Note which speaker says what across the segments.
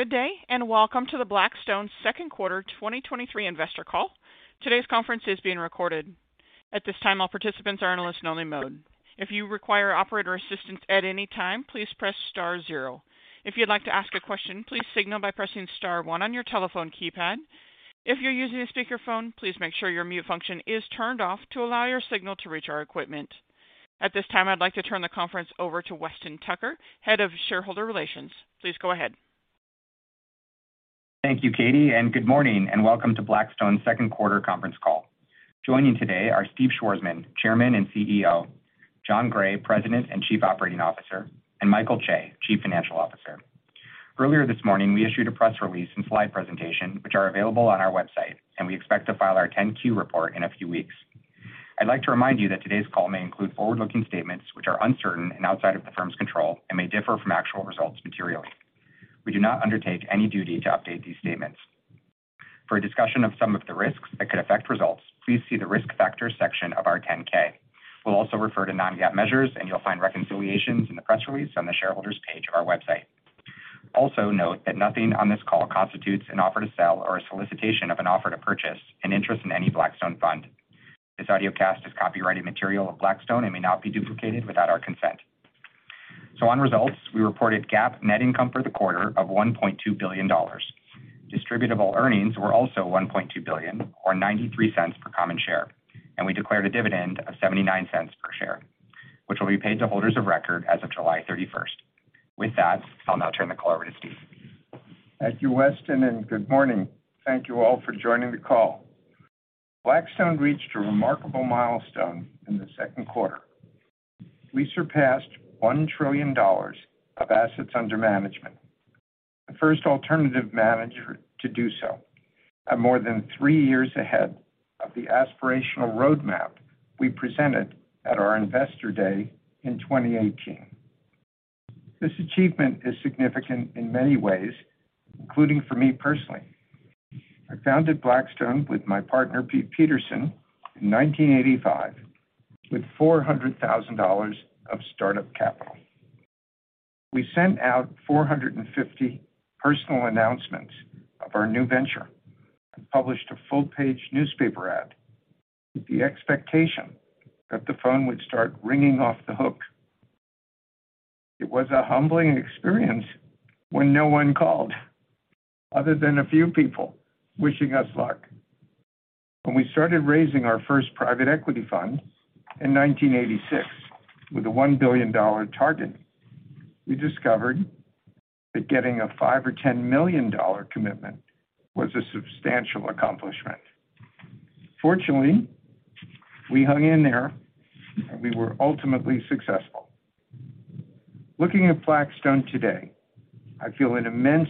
Speaker 1: Good day. Welcome to the Blackstone Second Quarter 2023 investor call. Today's conference is being recorded. At this time, all participants are in a listen-only mode. If you require operator assistance at any time, please press star zero. If you'd like to ask a question, please signal by pressing star one on your telephone keypad. If you're using a speakerphone, please make sure your mute function is turned off to allow your signal to reach our equipment. At this time, I'd like to turn the conference over to Weston Tucker, Head of Shareholder Relations. Please go ahead.
Speaker 2: Thank you, Katie, and good morning, and welcome to Blackstone's second quarter conference call. Joining today are Steve Schwarzman, Chairman and CEO, Jon Gray, President and Chief Operating Officer, and Michael Chae, Chief Financial Officer. Earlier this morning, we issued a press release and slide presentation, which are available on our website, and we expect to file our 10-Q report in a few weeks. I'd like to remind you that today's call may include forward-looking statements which are uncertain and outside of the firm's control and may differ from actual results materially. We do not undertake any duty to update these statements. For a discussion of some of the risks that could affect results, please see the Risk Factors section of our 10-K. We'll also refer to non-GAAP measures, and you'll find reconciliations in the press release on the Shareholders page of our website. Note that nothing on this call constitutes an offer to sell or a solicitation of an offer to purchase an interest in any Blackstone fund. This audiocast is copyrighted material of Blackstone and may not be duplicated without our consent. On results, we reported GAAP net income for the quarter of $1.2 billion. Distributable earnings were also $1.2 billion or $0.93 per common share, and we declared a dividend of $0.79 per share, which will be paid to holders of record as of July 31st. With that, I'll now turn the call over to Steve.
Speaker 3: Thank you, Weston. Good morning. Thank you all for joining the call. Blackstone reached a remarkable milestone in the second quarter. We surpassed $1 trillion of assets under management, the first alternative manager to do so, and more than three years ahead of the aspirational roadmap we presented at our Investor Day in 2018. This achievement is significant in many ways, including for me personally. I founded Blackstone with my partner, Pete Peterson, in 1985, with $400,000 of startup capital. We sent out 450 personal announcements of our new venture and published a full-page newspaper ad with the expectation that the phone would start ringing off the hook. It was a humbling experience when no one called, other than a few people wishing us luck. When we started raising our first private equity fund in 1986 with a $1 billion target, we discovered that getting a $5 million or $10 million commitment was a substantial accomplishment. Fortunately, we hung in there, we were ultimately successful. Looking at Blackstone today, I feel an immense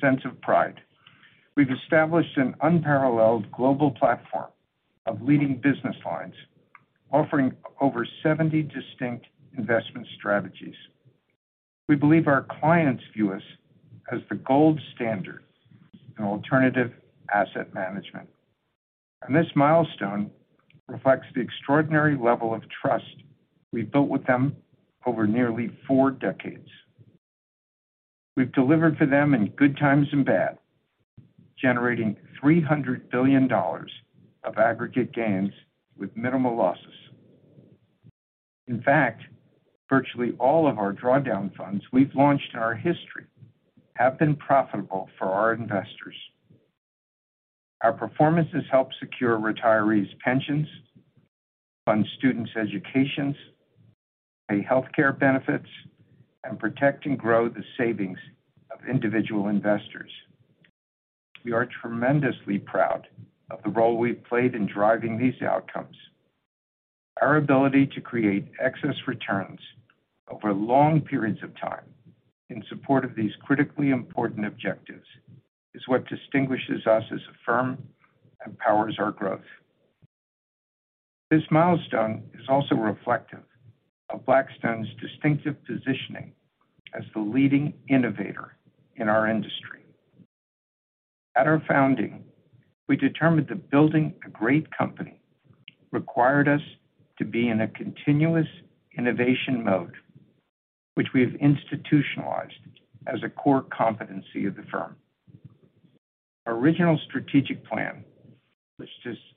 Speaker 3: sense of pride. We've established an unparalleled global platform of leading business lines, offering over 70 distinct investment strategies. We believe our clients view us as the gold standard in alternative asset management, this milestone reflects the extraordinary level of trust we've built with them over nearly four decades. We've delivered for them in good times and bad, generating $300 billion of aggregate gains with minimal losses. In fact, virtually all of our drawdown funds we've launched in our history have been profitable for our investors. Our performances help secure retirees' pensions, fund students' educations, pay healthcare benefits, and protect and grow the savings of individual investors. We are tremendously proud of the role we've played in driving these outcomes. Our ability to create excess returns over long periods of time in support of these critically important objectives is what distinguishes us as a firm and powers our growth. This milestone is also reflective of Blackstone's distinctive positioning as the leading innovator in our industry. At our founding, we determined that building a great company required us to be in a continuous innovation mode, which we have institutionalized as a core competency of the firm. Our original strategic plan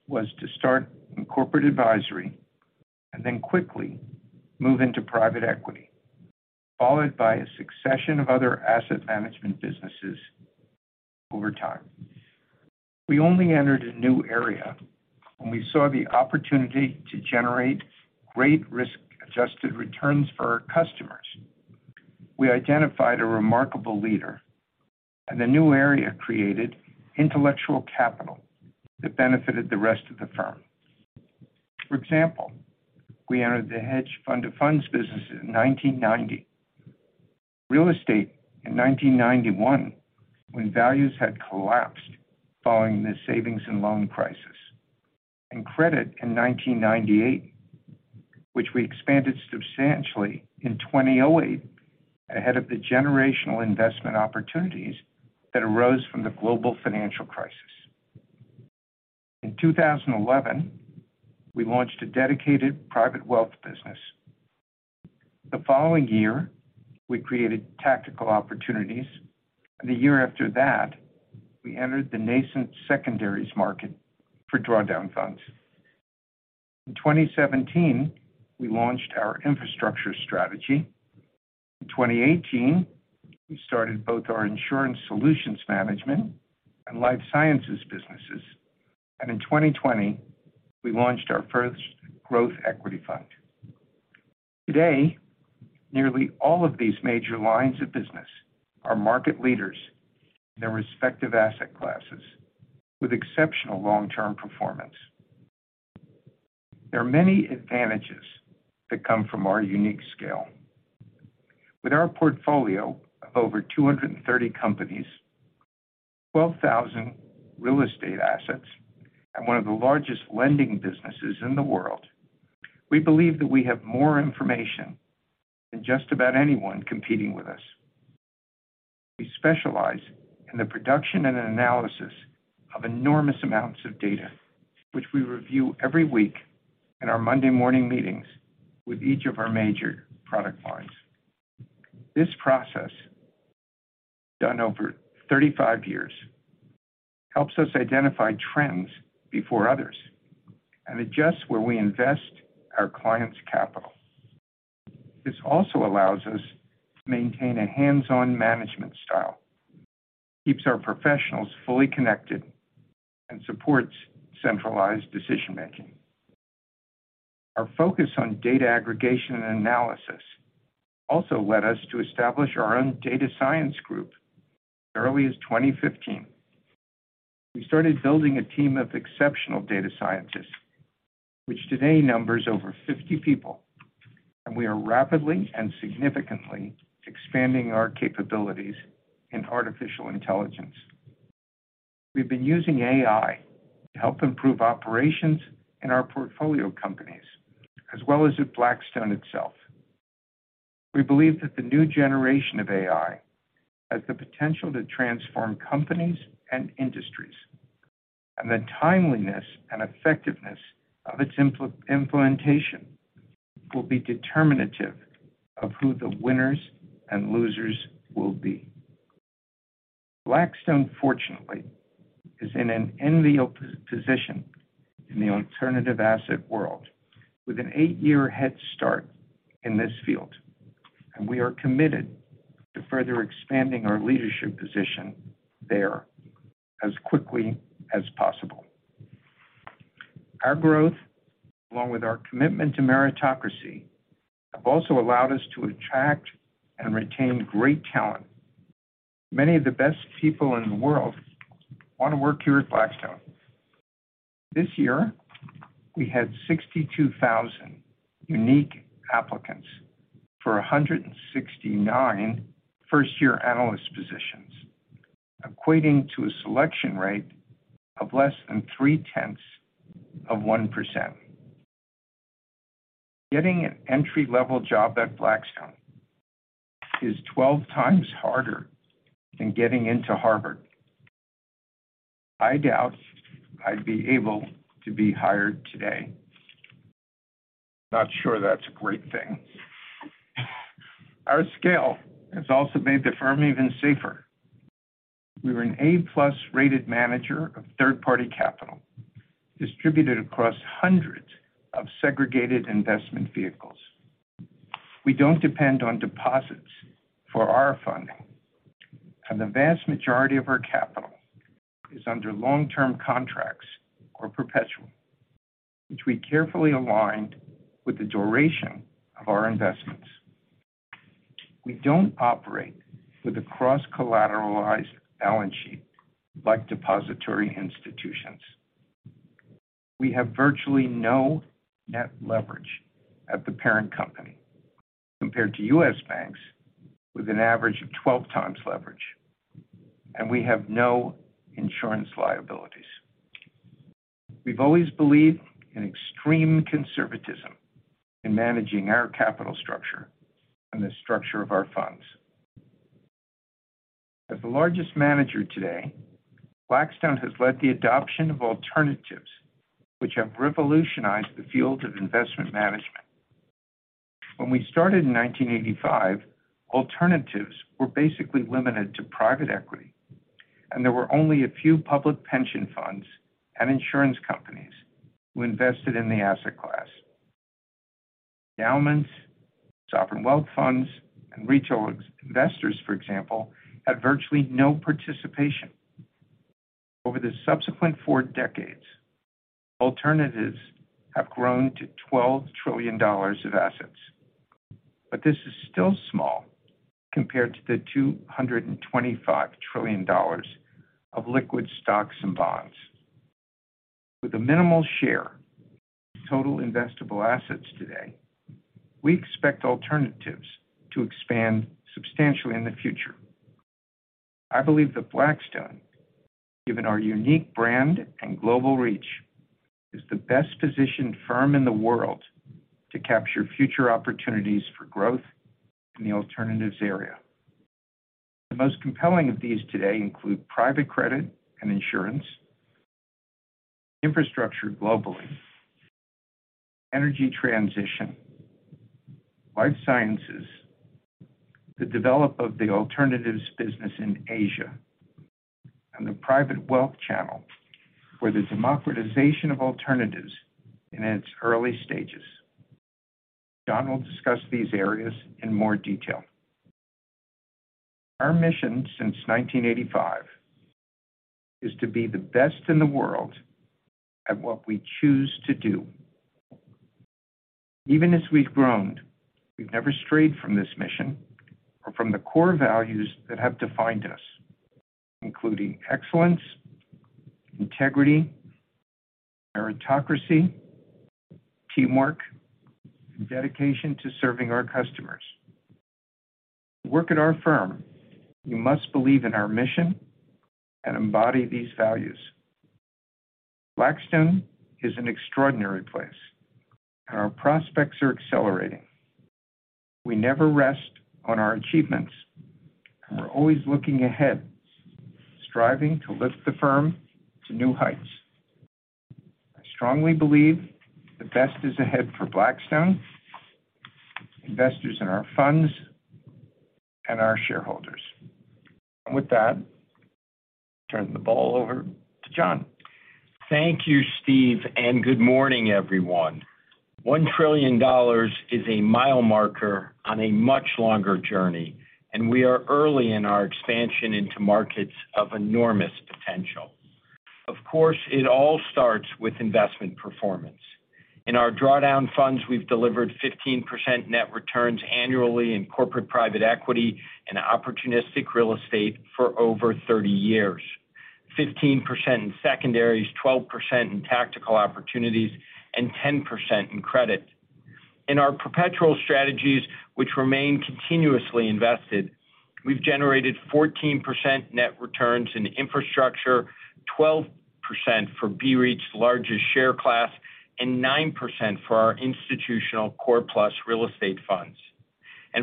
Speaker 3: was to start in corporate advisory then quickly move into private equity, followed by a succession of other asset management businesses over time. We only entered a new area when we saw the opportunity to generate great risk-adjusted returns for our customers. We identified a remarkable leader, and the new area created intellectual capital that benefited the rest of the firm. For example, we entered the hedge fund of funds business in 1990, real estate in 1991, when values had collapsed following the savings and loan crisis, and credit in 1998, which we expanded substantially in 2008 ahead of the generational investment opportunities that arose from the Global Financial Crisis. In 2011, we launched a dedicated private wealth business. The following year, we created tactical opportunities, and the year after that, we entered the nascent secondaries market for drawdown funds. In 2017, we launched our infrastructure strategy. In 2018, we started both our insurance solutions management and Life Sciences businesses. In 2020, we launched our first growth equity fund. Today, nearly all of these major lines of business are market leaders in their respective asset classes, with exceptional long-term performance. There are many advantages that come from our unique scale. With our portfolio of over 230 companies, 12,000 real estate assets, and one of the largest lending businesses in the world, we believe that we have more information than just about anyone competing with us. We specialize in the production and analysis of enormous amounts of data, which we review every week in our Monday morning meetings with each of our major product lines. This process, done over 35 years, helps us identify trends before others and adjust where we invest our clients' capital. This also allows us to maintain a hands-on management style, keeps our professionals fully connected, and supports centralized decision-making. Our focus on data aggregation and analysis also led us to establish our own data science group as early as 2015. We started building a team of exceptional data scientists, which today numbers over 50 people, and we are rapidly and significantly expanding our capabilities in artificial intelligence. We've been using AI to help improve operations in our portfolio companies, as well as at Blackstone itself. We believe that the new generation of AI has the potential to transform companies and industries, and the timeliness and effectiveness of its implementation will be determinative of who the winners and losers will be. Blackstone, fortunately, is in an enviable position in the alternative asset world with an eight-year head start in this field, and we are committed to further expanding our leadership position there as quickly as possible. Our growth, along with our commitment to meritocracy, have also allowed us to attract and retain great talent. Many of the best people in the world want to work here at Blackstone. This year, we had 62,000 unique applicants for 169 first-year analyst positions, equating to a selection rate of less than 3/10 of 1%. Getting an entry-level job at Blackstone is 12x harder than getting into Harvard. I doubt I'd be able to be hired today. Not sure that's a great thing. Our scale has also made the firm even safer. We were an A-plus rated manager of third-party capital, distributed across hundreds of segregated investment vehicles. We don't depend on deposits for our funding, the vast majority of our capital is under long-term contracts or perpetual, which we carefully aligned with the duration of our investments. We don't operate with a cross-collateralized balance sheet like depository institutions. We have virtually no net leverage at the parent company, compared to U.S. banks, with an average of 12x leverage, and we have no insurance liabilities. We've always believed in extreme conservatism in managing our capital structure and the structure of our funds. As the largest manager today, Blackstone has led the adoption of alternatives which have revolutionized the field of investment management. When we started in 1985, alternatives were basically limited to private equity, and there were only a few public pension funds and insurance companies who invested in the asset class. Endowments, sovereign wealth funds, and retail investors, for example, had virtually no participation. Over the subsequent four decades, alternatives have grown to $12 trillion of assets. This is still small compared to the $225 trillion of liquid stocks and bonds. With a minimal share of total investable assets today, we expect alternatives to expand substantially in the future. I believe that Blackstone, given our unique brand and global reach, is the best-positioned firm in the world to capture future opportunities for growth in the alternatives area. The most compelling of these today include private credit and insurance, infrastructure globally, energy transition, life sciences, the develop of the alternatives business in Asia, and the private wealth channel, where the democratization of alternatives in its early stages. Jon will discuss these areas in more detail. Our mission since 1985 is to be the best in the world at what we choose to do. Even as we've grown, we've never strayed from this mission or from the core values that have defined us, including excellence, integrity, meritocracy, teamwork, and dedication to serving our customers. To work at our firm, you must believe in our mission and embody these values. Blackstone is an extraordinary place. Our prospects are accelerating. We never rest on our achievements. We're always looking ahead, striving to lift the firm to new heights. I strongly believe the best is ahead for Blackstone, investors in our funds, and our shareholders. With that, I turn the ball over to Jon.
Speaker 4: Thank you, Steve. Good morning, everyone. $1 trillion is a mile marker on a much longer journey. We are early in our expansion into markets of enormous potential. Of course, it all starts with investment performance. In our drawdown funds, we've delivered 15% net returns annually in corporate private equity and opportunistic real estate for over 30 years. 15% in secondaries, 12% in tactical opportunities, 10% in credit. In our perpetual strategies, which remain continuously invested, we've generated 14% net returns in infrastructure, 12% for BREIT's largest share class, 9% for our institutional core plus real estate funds.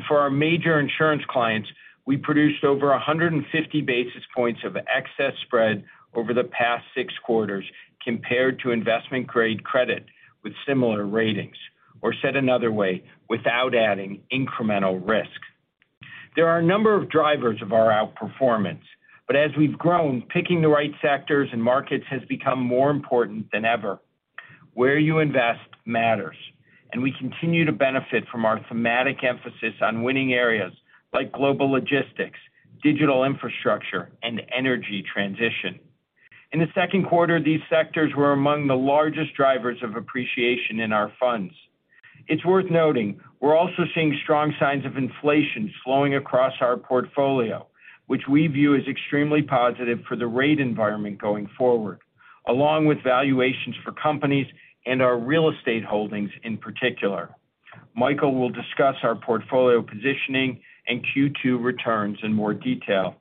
Speaker 4: For our major insurance clients, we produced over 150 basis points of excess spread over the past 6 quarters, compared to investment-grade credit with similar ratings, or said another way, without adding incremental risk. There are a number of drivers of our outperformance, but as we've grown, picking the right sectors and markets has become more important than ever. Where you invest matters, and we continue to benefit from our thematic emphasis on winning areas like global logistics, digital infrastructure, and energy transition. In the second quarter, these sectors were among the largest drivers of appreciation in our funds. It's worth noting, we're also seeing strong signs of inflation slowing across our portfolio, which we view as extremely positive for the rate environment going forward, along with valuations for companies and our real estate holdings in particular. Michael will discuss our portfolio positioning and Q2 returns in more detail.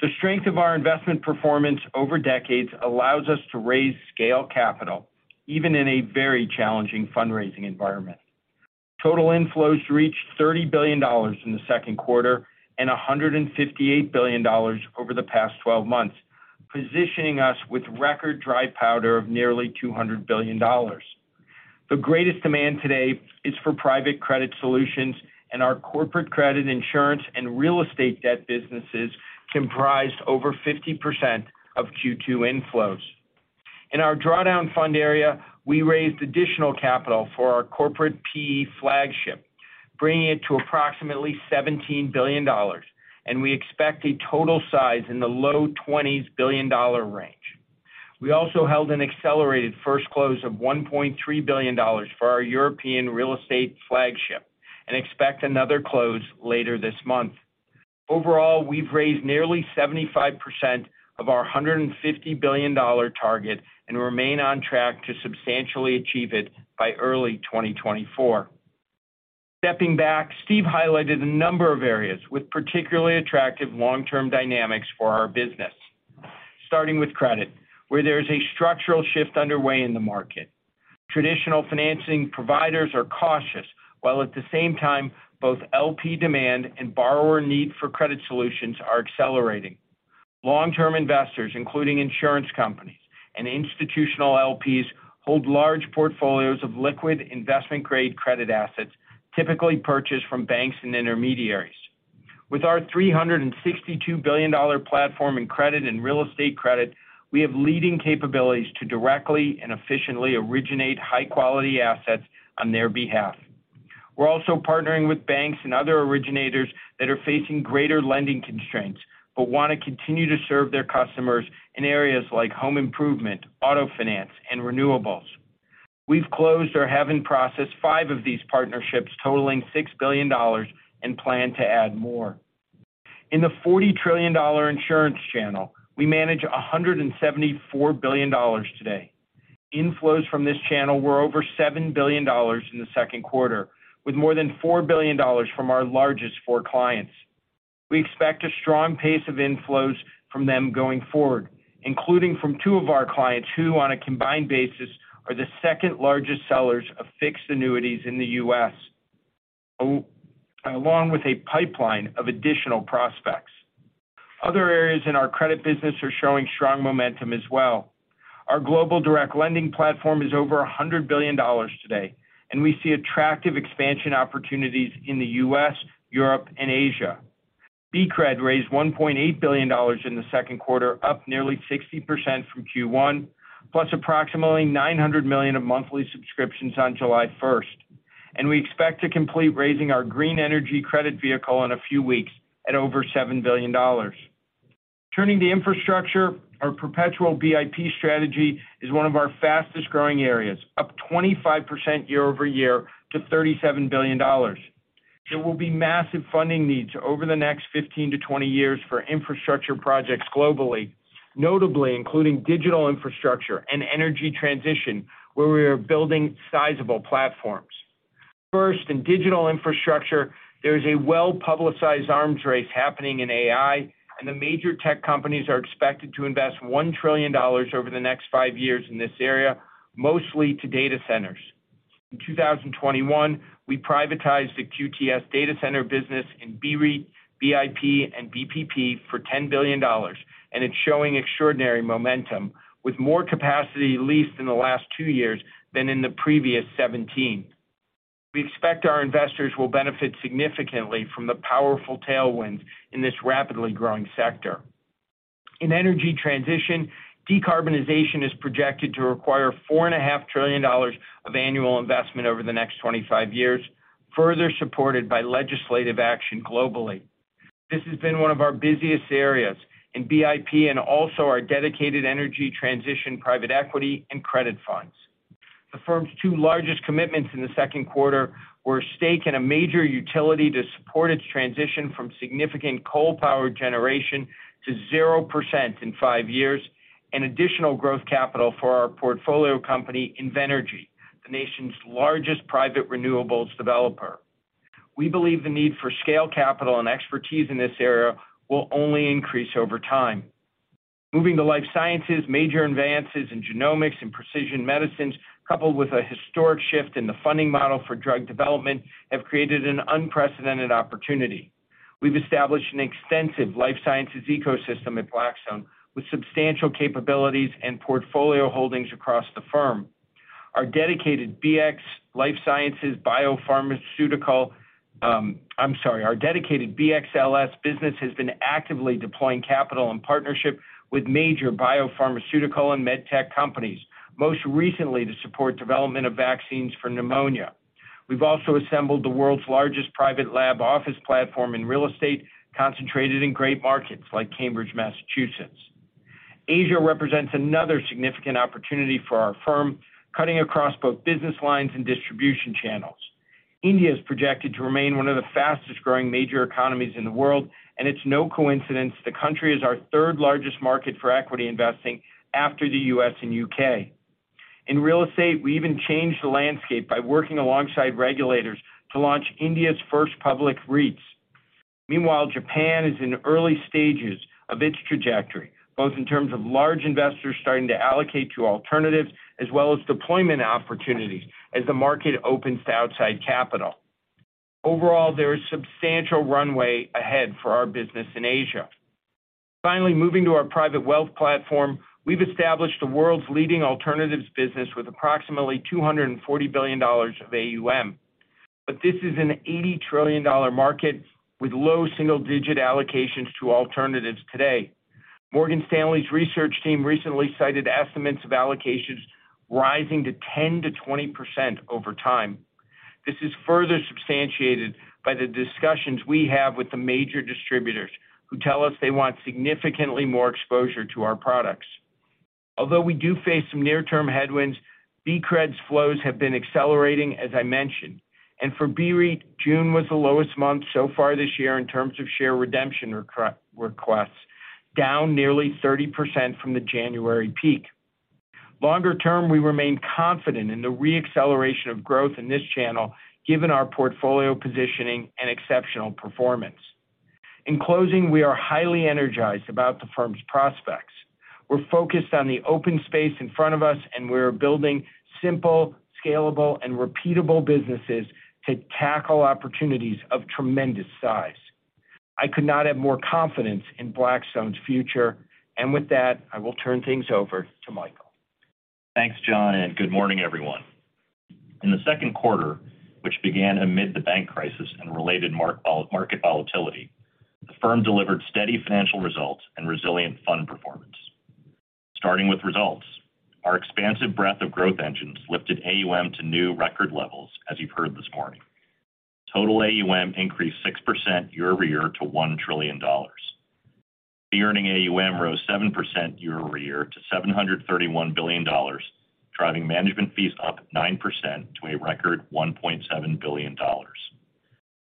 Speaker 4: The strength of our investment performance over decades allows us to raise scale capital, even in a very challenging fundraising environment. Total inflows reached $30 billion in the second quarter and $158 billion over the past 12 months, positioning us with record dry powder of nearly $200 billion. The greatest demand today is for private credit solutions, our corporate credit, insurance, and real estate debt businesses comprised over 50% of Q2 inflows. In our drawdown fund area, we raised additional capital for our corporate PE flagship, bringing it to approximately $17 billion, and we expect a total size in the low 20s billion dollar range. We also held an accelerated first close of $1.3 billion for our European real estate flagship and expect another close later this month. Overall, we've raised nearly 75% of our $150 billion target and remain on track to substantially achieve it by early 2024. Stepping back, Steve highlighted a number of areas with particularly attractive long-term dynamics for our business, starting with credit, where there is a structural shift underway in the market. Traditional financing providers are cautious, while at the same time, both LP demand and borrower need for credit solutions are accelerating. Long-term investors, including insurance companies and institutional LPs, hold large portfolios of liquid investment-grade credit assets, typically purchased from banks and intermediaries. With our $362 billion platform in credit and real estate credit, we have leading capabilities to directly and efficiently originate high-quality assets on their behalf. We're also partnering with banks and other originators that are facing greater lending constraints, but want to continue to serve their customers in areas like home improvement, auto finance, and renewables. We've closed or have in process five of these partnerships, totaling $6 billion, and plan to add more. In the $40 trillion insurance channel, we manage $174 billion today. Inflows from this channel were over $7 billion in the second quarter, with more than $4 billion from our largest four clients. We expect a strong pace of inflows from them going forward, including from two of our clients, who, on a combined basis, are the second-largest sellers of fixed annuities in the U.S., along with a pipeline of additional prospects. Other areas in our credit business are showing strong momentum as well. Our global direct lending platform is over $100 billion today. We see attractive expansion opportunities in the U.S., Europe, and Asia. BCRED raised $1.8 billion in the second quarter, up nearly 60% from Q1, plus approximately $900 million of monthly subscriptions on July 1st. We expect to complete raising our green energy credit vehicle in a few weeks at over $7 billion. Turning to infrastructure, our perpetual BIP strategy is one of our fastest-growing areas, up 25% year-over-year to $37 billion. There will be massive funding needs over the next 15 to 20 years for infrastructure projects globally, notably including digital infrastructure and energy transition, where we are building sizable platforms. First, in digital infrastructure, there is a well-publicized arms race happening in AI. The major tech companies are expected to invest $1 trillion over the next five years in this area, mostly to data centers. In 2021, we privatized the QTS data center business in BREIT, BIP, and BPP for $10 billion, and it's showing extraordinary momentum, with more capacity leased in the last two years than in the previous 17. We expect our investors will benefit significantly from the powerful tailwinds in this rapidly growing sector. In energy transition, decarbonization is projected to require four and a half trillion dollars of annual investment over the next 25 years, further supported by legislative action globally. This has been one of our busiest areas in BIP and also our dedicated energy transition, private equity, and credit funds. The firm's two largest commitments in the second quarter were a stake in a major utility to support its transition from significant coal power generation to 0% in five years, and additional growth capital for our portfolio company, Invenergy, the nation's largest private renewables developer. We believe the need for scale, capital, and expertise in this area will only increase over time. Moving to life sciences, major advances in genomics and precision medicines, coupled with a historic shift in the funding model for drug development, have created an unprecedented opportunity. We've established an extensive life sciences ecosystem at Blackstone, with substantial capabilities and portfolio holdings across the firm. Our dedicated BXLS business has been actively deploying capital and partnership with major biopharmaceutical and medtech companies, most recently to support development of vaccines for pneumonia. We've also assembled the world's largest private lab office platform in real estate, concentrated in great markets like Cambridge, Massachusetts. Asia represents another significant opportunity for our firm, cutting across both business lines and distribution channels. India is projected to remain one of the fastest-growing major economies in the world, and it's no coincidence the country is our third-largest market for equity investing after the U.S. and U.K. In real estate, we even changed the landscape by working alongside regulators to launch India's first public REITs. Meanwhile, Japan is in early stages of its trajectory, both in terms of large investors starting to allocate to alternatives, as well as deployment opportunities as the market opens to outside capital. Overall, there is substantial runway ahead for our business in Asia. Finally, moving to our private wealth platform, we've established the world's leading alternatives business with approximately $240 billion of AUM. This is an $80 trillion market with low single-digit allocations to alternatives today. Morgan Stanley's research team recently cited estimates of allocations rising to 10%-20% over time. This is further substantiated by the discussions we have with the major distributors, who tell us they want significantly more exposure to our products. We do face some near-term headwinds, BCRED's flows have been accelerating, as I mentioned, and for BREIT, June was the lowest month so far this year in terms of share redemption requests, down nearly 30% from the January peak. Longer term, we remain confident in the re-acceleration of growth in this channel, given our portfolio positioning and exceptional performance. In closing, we are highly energized about the firm's prospects. We're focused on the open space in front of us, and we're building simple, scalable, and repeatable businesses to tackle opportunities of tremendous size. I could not have more confidence in Blackstone's future. With that, I will turn things over to Michael.
Speaker 5: Thanks, Jon. Good morning, everyone. In the second quarter, which began amid the bank crisis and related market volatility, the firm delivered steady financial results and resilient fund performance. Starting with results, our expansive breadth of growth engines lifted AUM to new record levels, as you've heard this morning. Total AUM increased 6% year-over-year to $1 trillion. The earning AUM rose 7% year-over-year to $731 billion, driving management fees up 9% to a record $1.7 billion.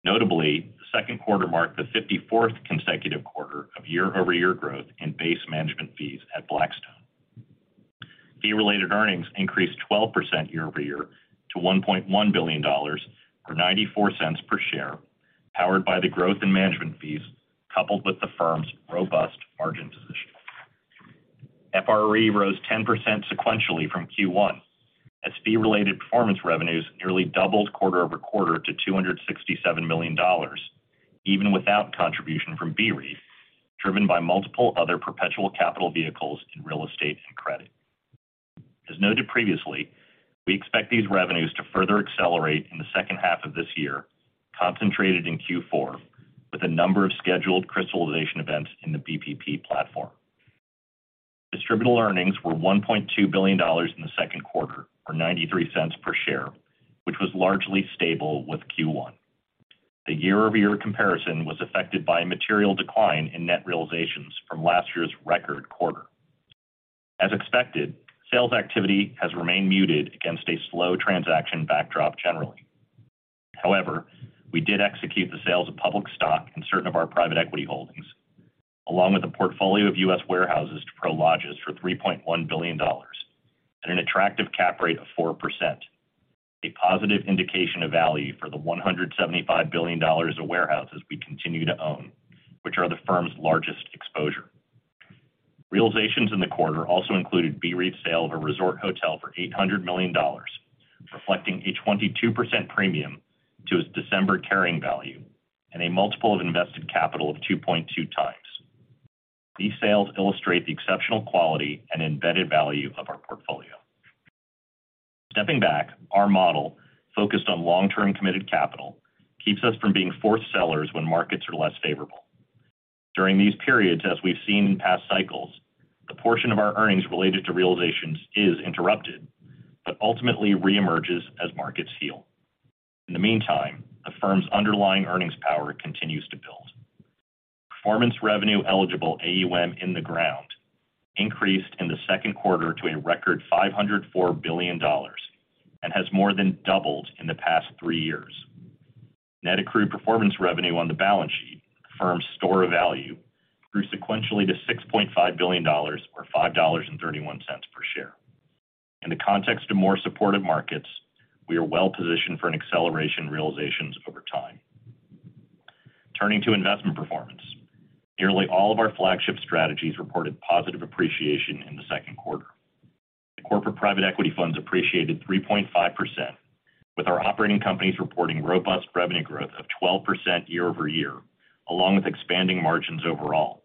Speaker 5: Notably, the second quarter marked the 54th consecutive quarter of year-over-year growth in base management fees at Blackstone. Fee-related earnings increased 12% year-over-year to $1.1 billion, or $0.94 per share, powered by the growth in management fees, coupled with the firm's robust margin position. FRE rose 10% sequentially from Q1, as fee-related performance revenues nearly doubled quarter-over-quarter to $267 million, even without contribution from BREIT, driven by multiple other perpetual capital vehicles in real estate and credit. As noted previously, we expect these revenues to further accelerate in the second half of this year, concentrated in Q4, with a number of scheduled crystallization events in the BPP platform. Distributable earnings were $1.2 billion in the second quarter, or $0.93 per share, which was largely stable with Q1. The year-over-year comparison was affected by a material decline in net realizations from last year's record quarter. As expected, sales activity has remained muted against a slow transaction backdrop generally. We did execute the sales of public stock in certain of our private equity holdings, along with a portfolio of U.S. warehouses to Prologis for $3.1 billion at an attractive cap rate of 4%, a positive indication of value for the $175 billion of warehouses we continue to own, which are the firm's largest exposure. Realizations in the quarter also included BREIT's sale of a resort hotel for $800 million, reflecting a 22% premium to its December carrying value and a multiple of invested capital of 2.2 times. These sales illustrate the exceptional quality and embedded value of our portfolio. Stepping back, our model, focused on long-term committed capital, keeps us from being forced sellers when markets are less favorable. During these periods, as we've seen in past cycles, the portion of our earnings related to realizations is interrupted, but ultimately reemerges as markets heal. In the meantime, the firm's underlying earnings power continues to build. Performance revenue eligible AUM in the ground increased in the second quarter to a record $504 billion, and has more than doubled in the past three years. Net accrued performance revenue on the balance sheet, the firm's store of value, grew sequentially to $6.5 billion, or $5.31 per share. In the context of more supportive markets, we are well positioned for an acceleration in realizations over time. Turning to investment performance. Nearly all of our flagship strategies reported positive appreciation in the second quarter. The corporate private equity funds appreciated 3.5%, with our operating companies reporting robust revenue growth of 12% year-over-year, along with expanding margins overall.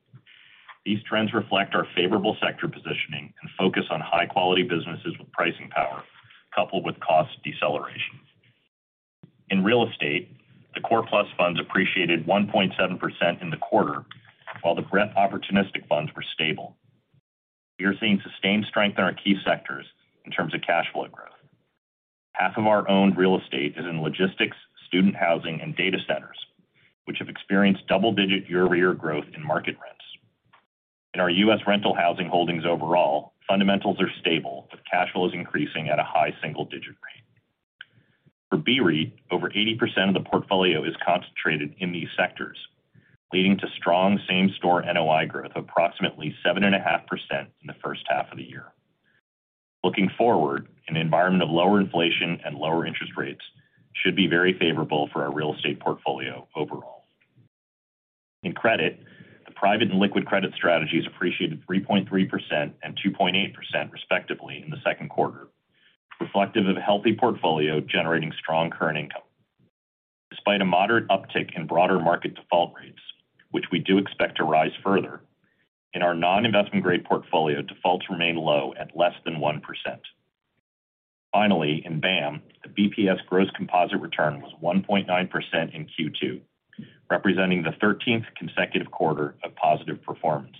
Speaker 5: These trends reflect our favorable sector positioning and focus on high-quality businesses with pricing power, coupled with cost deceleration. In real estate, the core+ funds appreciated 1.7% in the quarter, while the BREIT opportunistic funds were stable. We are seeing sustained strength in our key sectors in terms of cash flow growth. Half of our owned real estate is in logistics, student housing, and data centers, which have experienced double-digit year-over-year growth in market rents. In our U.S. rental housing holdings overall, fundamentals are stable, with cash flow is increasing at a high single-digit rate. For BREIT, over 80% of the portfolio is concentrated in these sectors, leading to strong same-store NOI growth of approximately 7.5% in the first half of the year. Looking forward, an environment of lower inflation and lower interest rates should be very favorable for our real estate portfolio overall. In credit, the private and liquid credit strategies appreciated 3.3% and 2.8%, respectively, in the second quarter, reflective of a healthy portfolio generating strong current income. Despite a moderate uptick in broader market default rates, which we do expect to rise further, in our non-investment grade portfolio, defaults remain low at less than 1%. Finally, in BAAM, the BPS gross composite return was 1.9% in Q2, representing the 13th consecutive quarter of positive performance.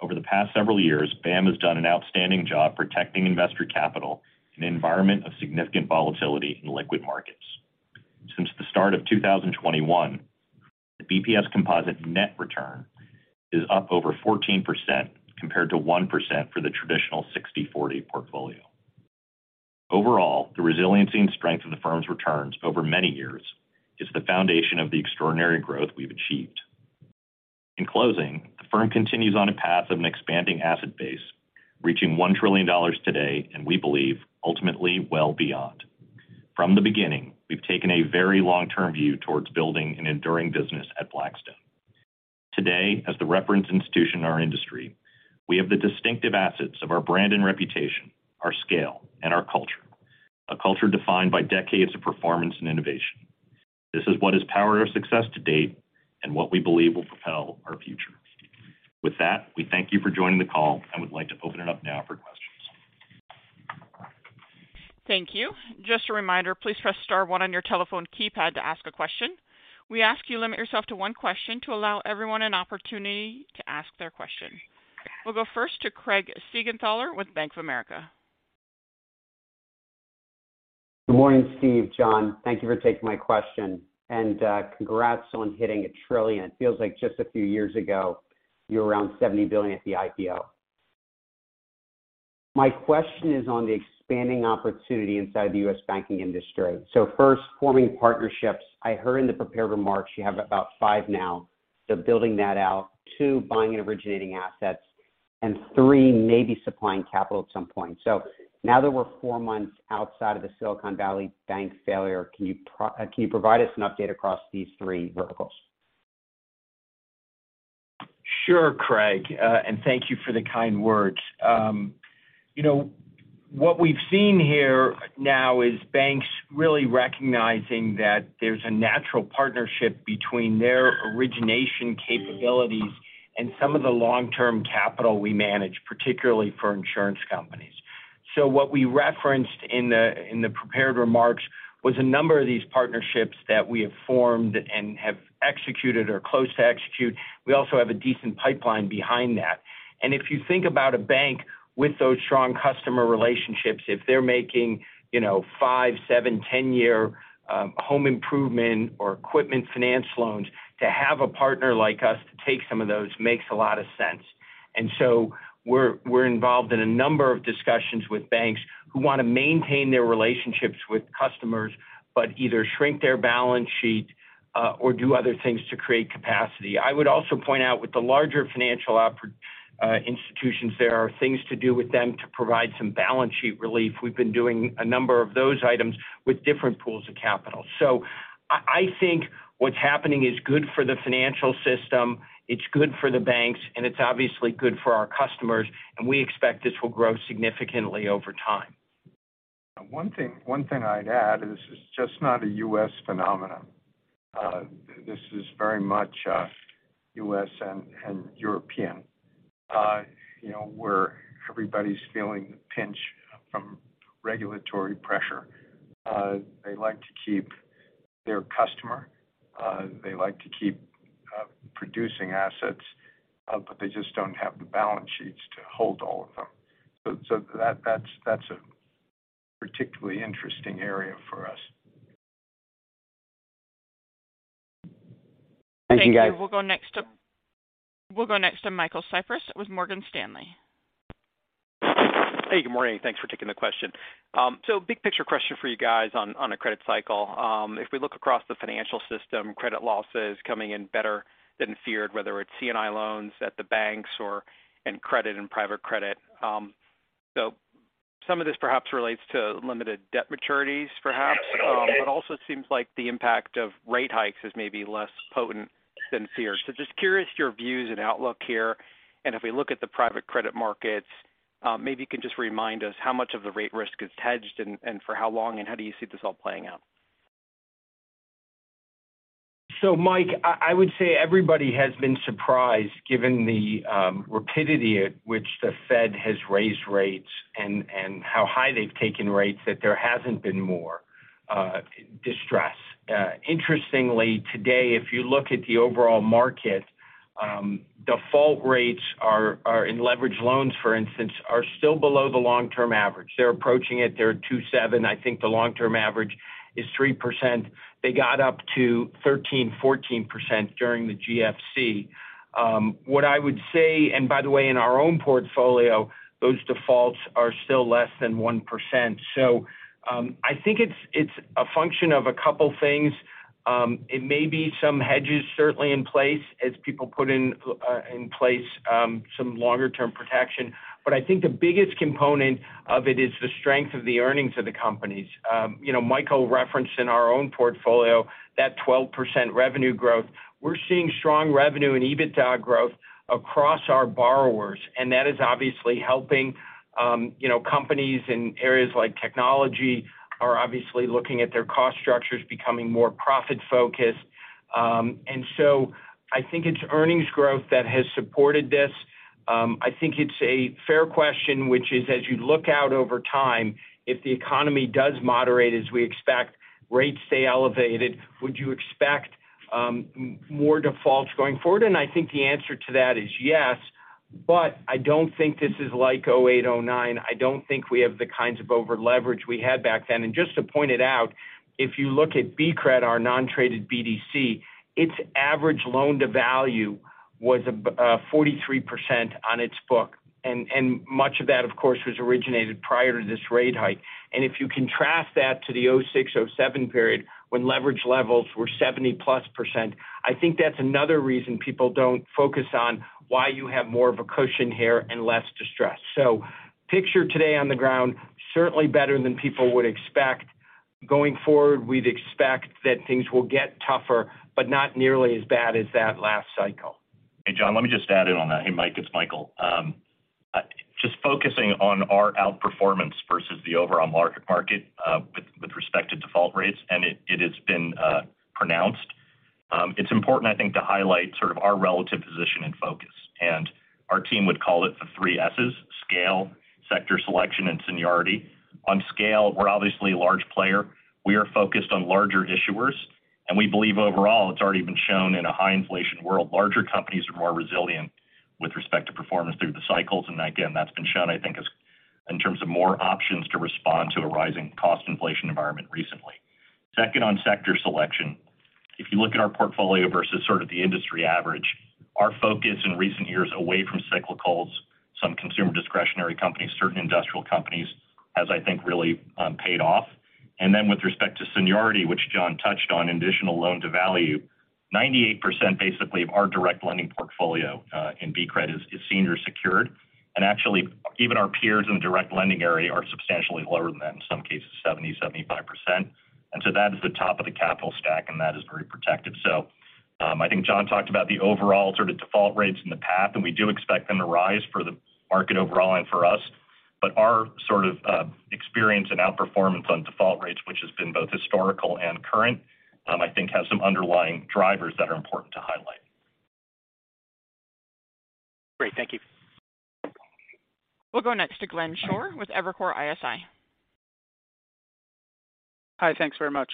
Speaker 5: Over the past several years, BAAM has done an outstanding job protecting investor capital in an environment of significant volatility in liquid markets. Since the start of 2021, the BPS composite net return is up over 14%, compared to 1% for the traditional 60/40 portfolio. Overall, the resiliency and strength of the firm's returns over many years is the foundation of the extraordinary growth we've achieved. In closing, the firm continues on a path of an expanding asset base, reaching $1 trillion today, and we believe ultimately well beyond. From the beginning, we've taken a very long-term view towards building an enduring business at Blackstone. Today, as the reference institution in our industry, we have the distinctive assets of our brand and reputation, our scale, and our culture. A culture defined by decades of performance and innovation. This is what has powered our success to date and what we believe will propel our future. With that, we thank you for joining the call, and would like to open it up now for questions.
Speaker 1: Thank you. Just a reminder, please press star one on your telephone keypad to ask a question. We ask you limit yourself to one question to allow everyone an opportunity to ask their question. We'll go first to Craig Siegenthaler with Bank of America.
Speaker 6: Good morning, Steve, Jon. Thank you for taking my question, and congrats on hitting $1 trillion. It feels like just a few years ago, you were around $70 billion at the IPO. My question is on the expanding opportunity inside the U.S. banking industry. First, forming partnerships. I heard in the prepared remarks you have about five now. Building that out. Two, buying and originating assets, and three, maybe supplying capital at some point. Now that we're four months outside of the Silicon Valley Bank failure, can you provide us an update across these three verticals?
Speaker 4: Sure, Craig, and thank you for the kind words. You know, what we've seen here now is banks really recognizing that there's a natural partnership between their origination capabilities and some of the long-term capital we manage, particularly for insurance companies. What we referenced in the, in the prepared remarks was a number of these partnerships that we have formed and have executed or close to execute. We also have a decent pipeline behind that. If you think about a bank with those strong customer relationships, if they're making, you know, five, seven, ten-year home improvement or equipment finance loans, to have a partner like us to take some of those makes a lot of sense. We're involved in a number of discussions with banks who wanna maintain their relationships with customers, but either shrink their balance sheet, or do other things to create capacity. I would also point out, with the larger financial institutions, there are things to do with them to provide some balance sheet relief. We've been doing a number of those items with different pools of capital. I think what's happening is good for the financial system, it's good for the banks, and it's obviously good for our customers, and we expect this will grow significantly over time.
Speaker 5: One thing I'd add, this is just not a U.S. phenomenon. This is very much, U.S. and European. You know, where everybody's feeling the pinch from regulatory pressure. They like to keep their customer, they like to keep producing assets, but they just don't have the balance sheets to hold all of them. That's a particularly interesting area for us.
Speaker 6: Thank you, guys.
Speaker 1: We'll go next to Michael Cyprys with Morgan Stanley.
Speaker 7: Hey, good morning. Thanks for taking the question. Big picture question for you guys on a credit cycle. If we look across the financial system, credit losses coming in better than feared, whether it's CNI loans at the banks or in credit and private credit. Some of this perhaps relates to limited debt maturities, perhaps. Also seems like the impact of rate hikes is maybe less potent than feared. Just curious your views and outlook here. If we look at the private credit markets, maybe you can just remind us how much of the rate risk is hedged and for how long, and how do you see this all playing out?
Speaker 4: Mike, I would say everybody has been surprised, given the rapidity at which the Fed has raised rates and how high they've taken rates, that there hasn't been more distress. Interestingly, today, if you look at the overall market, default rates are in leveraged loans, for instance, are still below the long-term average. They're approaching it. They're 2.7. I think the long-term average is 3%. They got up to 13%-14% during the GFC. What I would say. By the way, in our own portfolio, those defaults are still less than 1%. I think it's a function of a couple things. It may be some hedges certainly in place as people put in place some longer term protection. I think the biggest component of it is the strength of the earnings of the companies. you know, Michael referenced in our own portfolio that 12% revenue growth. We're seeing strong revenue and EBITDA growth across our borrowers, and that is obviously helping. you know, companies in areas like technology are obviously looking at their cost structures, becoming more profit-focused. I think it's earnings growth that has supported this. I think it's a fair question, which is, as you look out over time, if the economy does moderate as we expect, rates stay elevated, would you expect more defaults going forward? I think the answer to that is yes, but I don't think this is like 2008, 2009. I don't think we have the kinds of overleverage we had back then. Just to point it out, if you look at BCRED, our non-traded BDC, its average loan to value was 43% on its book, and much of that, of course, was originated prior to this rate hike. If you contrast that to the 2006, 2007 period, when leverage levels were 70%+, I think that's another reason people don't focus on why you have more of a cushion here and less distress. Picture today on the ground, certainly better than people would expect. Going forward, we'd expect that things will get tougher, but not nearly as bad as that last cycle.
Speaker 5: Hey, Jon, let me just add in on that. Hey, Mike, it's Michael. Just focusing on our outperformance versus the overall market with respect to default rates, it has been pronounced. It's important, I think, to highlight sort of our relative position and focus, our team would call it the three S's: scale, sector selection, and seniority. On scale, we're obviously a large player. We are focused on larger issuers, we believe overall, it's already been shown in a high inflation world, larger companies are more resilient with respect to performance through the cycles. Again, that's been shown, I think, as in terms of more options to respond to a rising cost inflation environment recently. Second, on sector selection. If you look at our portfolio versus sort of the industry average- our focus in recent years away from cyclicals, some consumer discretionary companies, certain industrial companies, has, I think, really paid off. With respect to seniority, which Jon touched on, additional loan to value, 98% basically of our direct lending portfolio, in BCRED is senior secured. Actually, even our peers in the direct lending area are substantially lower than that, in some cases 70%, 75%. That is the top of the capital stack, and that is very protected. I think Jon talked about the overall sort of default rates in the past, and we do expect them to rise for the market overall and for us. Our sort of experience and outperformance on default rates, which has been both historical and current, I think has some underlying drivers that are important to highlight.
Speaker 7: Great. Thank you.
Speaker 1: We'll go next to Glenn Schorr with Evercore ISI.
Speaker 8: Hi, thanks very much.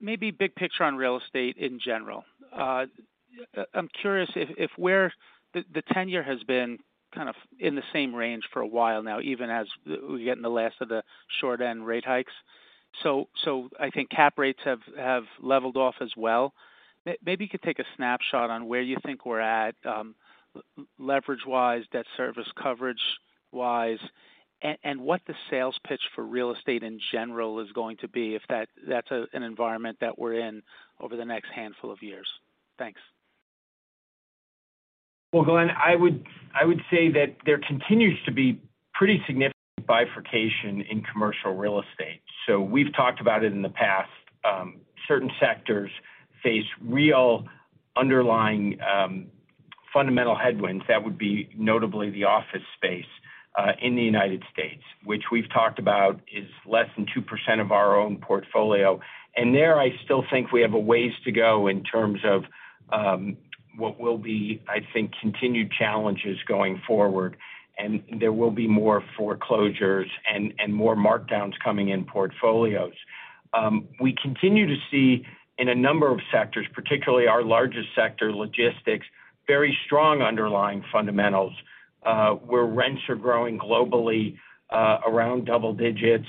Speaker 8: Maybe big picture on real estate in general. I'm curious if the tenure has been kind of in the same range for a while now, even as we get in the last of the short-end rate hikes. I think cap rates have leveled off as well. Maybe you could take a snapshot on where you think we're at, leverage-wise, debt service coverage-wise, and what the sales pitch for real estate in general is going to be, if that's an environment that we're in over the next handful of years. Thanks.
Speaker 4: Well, Glenn, I would say that there continues to be pretty significant bifurcation in commercial real estate. We've talked about it in the past. Certain sectors face real underlying fundamental headwinds that would be notably the office space in the United States, which we've talked about is less than 2% of our own portfolio. There, I still think we have a ways to go in terms of what will be, I think, continued challenges going forward, and there will be more foreclosures and more markdowns coming in portfolios. We continue to see in a number of sectors, particularly our largest sector, logistics, very strong underlying fundamentals, where rents are growing globally, around double digits.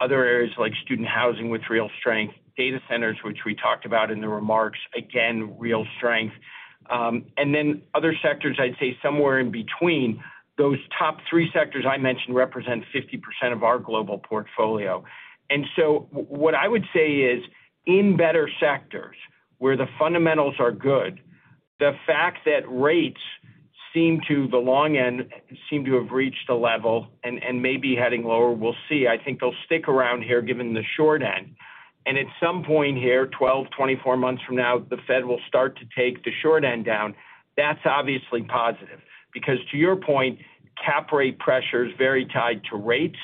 Speaker 4: Other areas like student housing with real strength, data centers, which we talked about in the remarks, again, real strength. Other sectors, I'd say somewhere in between. Those top three sectors I mentioned represent 50% of our global portfolio. What I would say is, in better sectors where the fundamentals are good, the fact that rates seem to, the long end, seem to have reached a level and may be heading lower, we'll see. I think they'll stick around here, given the short end. At some point here, 12-24 months from now, the Fed will start to take the short end down. That's obviously positive, because to your point, cap rate pressure is very tied to rates.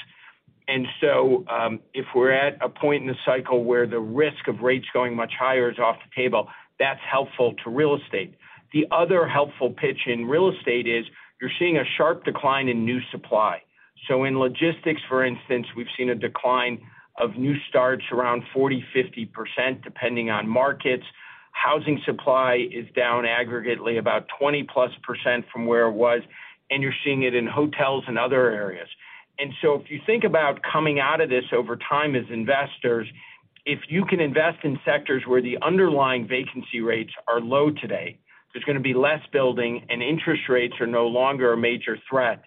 Speaker 4: If we're at a point in the cycle where the risk of rates going much higher is off the table, that's helpful to real estate. The other helpful pitch in real estate is, you're seeing a sharp decline in new supply. In logistics, for instance, we've seen a decline of new starts around 40%-50%, depending on markets. Housing supply is down aggregately about 20%+ from where it was, and you're seeing it in hotels and other areas. If you think about coming out of this over time as investors, if you can invest in sectors where the underlying vacancy rates are low today, there's going to be less building, and interest rates are no longer a major threat.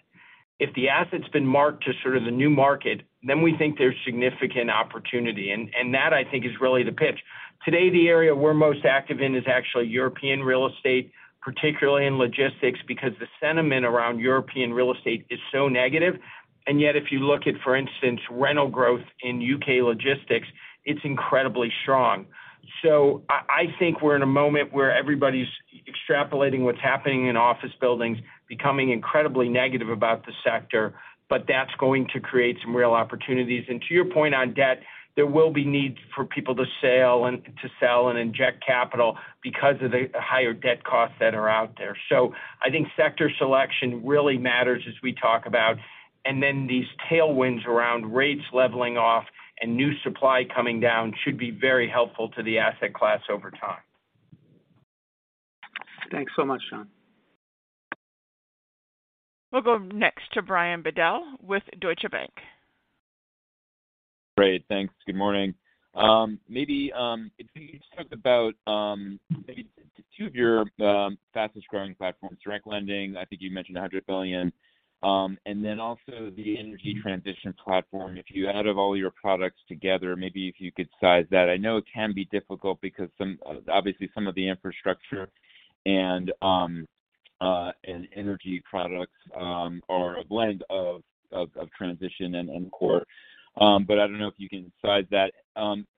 Speaker 4: If the asset's been marked to sort of the new market, then we think there's significant opportunity, and that, I think, is really the pitch. Today, the area we're most active in is actually European real estate, particularly in logistics, because the sentiment around European real estate is so negative. Yet, if you look at, for instance, rental growth in UK logistics, it's incredibly strong. I think we're in a moment where everybody's extrapolating what's happening in office buildings, becoming incredibly negative about the sector, that's going to create some real opportunities. To your point on debt, there will be needs for people to sell and inject capital because of the higher debt costs that are out there. I think sector selection really matters as we talk about, and then these tailwinds around rates leveling off and new supply coming down should be very helpful to the asset class over time.
Speaker 8: Thanks so much, Jon.
Speaker 1: We'll go next to Brian Bedell with Deutsche Bank.
Speaker 9: Great. Thanks. Good morning. Maybe if you just talked about maybe two of your fastest growing platforms, direct lending, I think you mentioned $100 billion, and then also the energy transition platform. If you added all your products together, maybe if you could size that. I know it can be difficult because some, obviously, some of the infrastructure and energy products are a blend of transition and core. I don't know if you can size that.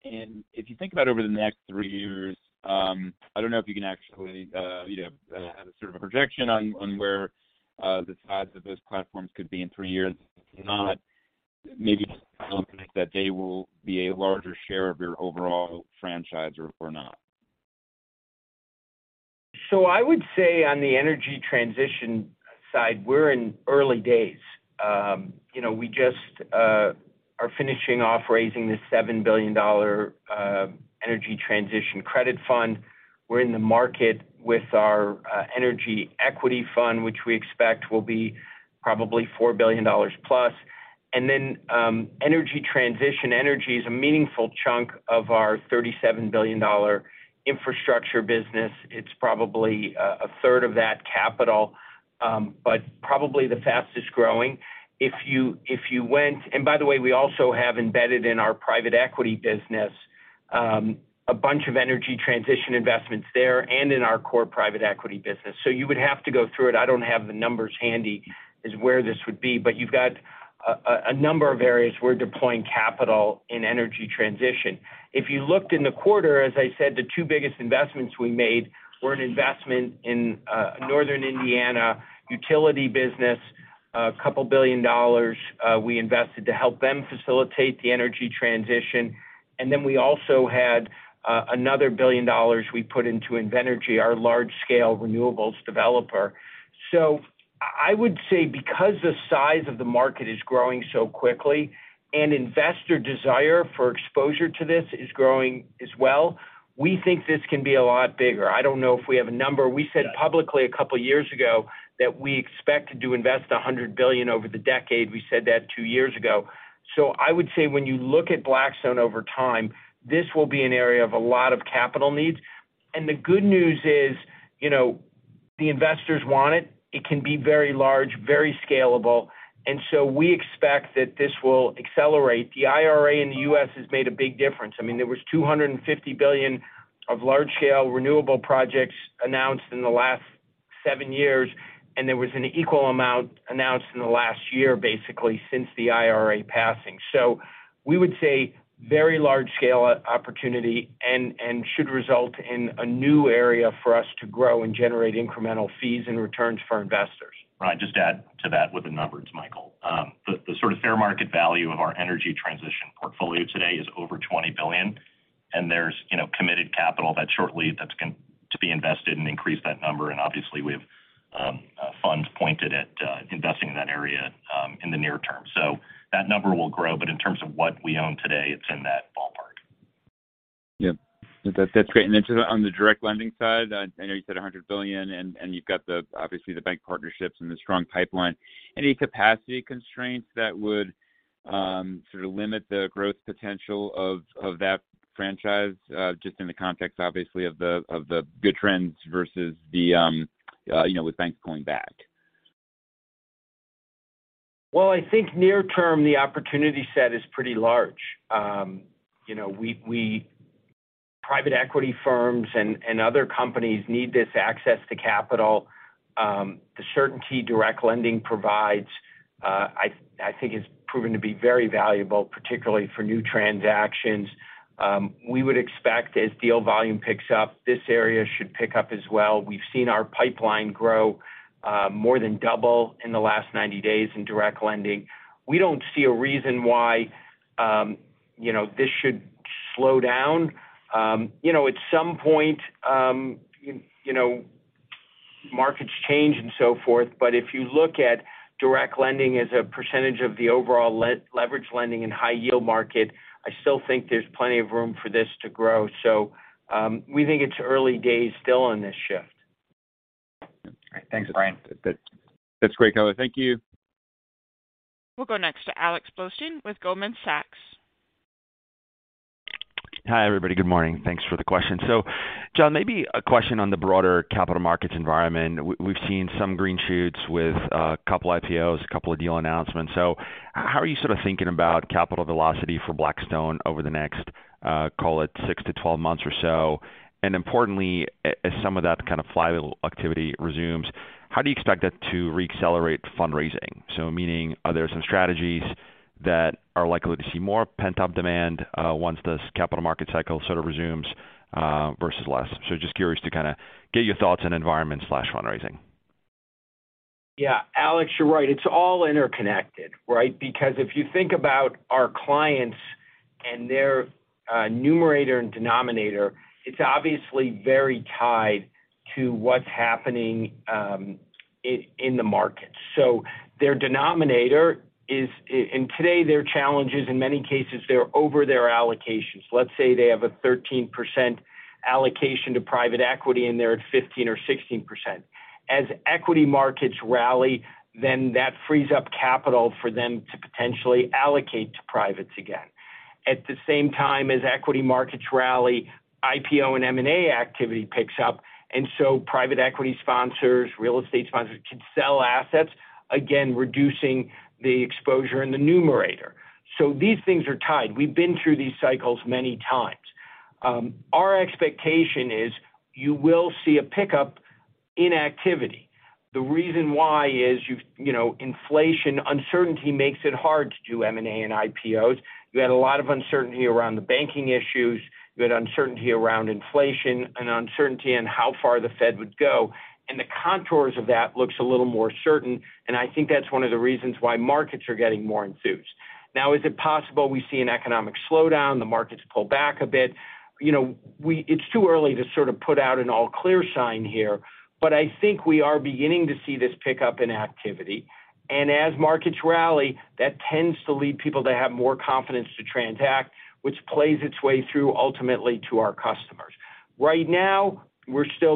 Speaker 9: If you think about over the next three years, I don't know if you can actually, you know, have a sort of a projection on where the size of those platforms could be in three years. If not, maybe just that they will be a larger share of your overall franchise or not.
Speaker 4: I would say on the energy transition side, we're in early days. You know, we just are finishing off raising the $7 billion energy transition credit fund. We're in the market with our energy equity fund, which we expect will be probably $4 billion+. Energy transition. Energy is a meaningful chunk of our $37 billion infrastructure business. It's probably a third of that capital, but probably the fastest-growing. By the way, we also have embedded in our private equity business a bunch of energy transition investments there and in our core private equity business. You would have to go through it. I don't have the numbers handy, as where this would be, but you've got a number of areas we're deploying capital in energy transition. If you looked in the quarter, as I said, the two biggest investments we made were an investment in Northern Indiana utility business. A couple billion dollars we invested to help them facilitate the energy transition. We also had another $1 billion we put into Invenergy, our large-scale renewables developer. I would say, because the size of the market is growing so quickly, and investor desire for exposure to this is growing as well, we think this can be a lot bigger. I don't know if we have a number. We said publicly a couple of years ago that we expect to do invest $100 billion over the decade. We said that two years ago. I would say when you look at Blackstone over time, this will be an area of a lot of capital needs. The good news is, you know, the investors want it. It can be very large, very scalable, we expect that this will accelerate. The IRA in the U.S. has made a big difference. I mean, there was $250 billion of large-scale renewable projects announced in the last seven years, there was an equal amount announced in the last year, basically, since the IRA passing. We would say very large-scale opportunity and should result in a new area for us to grow and generate incremental fees and returns for investors.
Speaker 5: Right. Just add to that with the numbers, it's Michael. The sort of fair market value of our energy transition portfolio today is over $20 billion, and there's, you know, committed capital that shortly that's going to be invested and increase that number. Obviously, we have funds pointed at investing in that area in the near term. That number will grow, but in terms of what we own today, it's in that ballpark.
Speaker 9: Yep, that's great. Then just on the direct lending side, I know you said $100 billion, and you've got the... obviously, the bank partnerships and the strong pipeline. Any capacity constraints that would sort of limit the growth potential of that franchise, just in the context, obviously, of the good trends versus the, you know, with banks going back?
Speaker 4: Well, I think near term, the opportunity set is pretty large. you know, we Private equity firms and other companies need this access to capital. The certainty direct lending provides, I think has proven to be very valuable, particularly for new transactions. We would expect as deal volume picks up, this area should pick up as well. We've seen our pipeline grow, more than double in the last 90 days in direct lending. We don't see a reason why, you know, this should slow down. you know, at some point, you know, markets change and so forth, but if you look at direct lending as a percentage of the overall leverage lending and high yield market, I still think there's plenty of room for this to grow. We think it's early days still on this shift.
Speaker 2: Thanks, Brian.
Speaker 9: That's great color. Thank you.
Speaker 1: We'll go next to Alex Blostein with Goldman Sachs.
Speaker 10: Hi, everybody. Good morning. Thanks for the question. Jon, maybe a question on the broader capital markets environment. We've seen some green shoots with a couple IPOs, a couple of deal announcements. How are you sort of thinking about capital velocity for Blackstone over the next, call it six to 12 months or so? Importantly, as some of that kind of fly activity resumes, how do you expect that to reaccelerate fundraising? Meaning, are there some strategies that are likely to see more pent-up demand once this capital market cycle sort of resumes versus less? Just curious to kinda get your thoughts on environment/fundraising.
Speaker 4: Alex, you're right. It's all interconnected, right? If you think about our clients and their numerator and denominator, it's obviously very tied to what's happening in the market. Their denominator is. And today, their challenge is, in many cases, they're over their allocations. Let's say they have a 13% allocation to private equity, and they're at 15% or 16%. As equity markets rally, then that frees up capital for them to potentially allocate to privates again. At the same time as equity markets rally, IPO and M&A activity picks up, private equity sponsors, real estate sponsors, can sell assets, again, reducing the exposure in the numerator. These things are tied. We've been through these cycles many times. Our expectation is you will see a pickup in activity. The reason why is, you've, you know, inflation, uncertainty makes it hard to do M&A and IPOs. You had a lot of uncertainty around the banking issues, you had uncertainty around inflation and uncertainty in how far the Fed would go. The contours of that looks a little more certain. I think that's one of the reasons why markets are getting more enthused. Now, is it possible we see an economic slowdown, the markets pull back a bit? You know, it's too early to sort of put out an all clear sign here, but I think we are beginning to see this pickup in activity. As markets rally, that tends to lead people to have more confidence to transact, which plays its way through ultimately to our customers.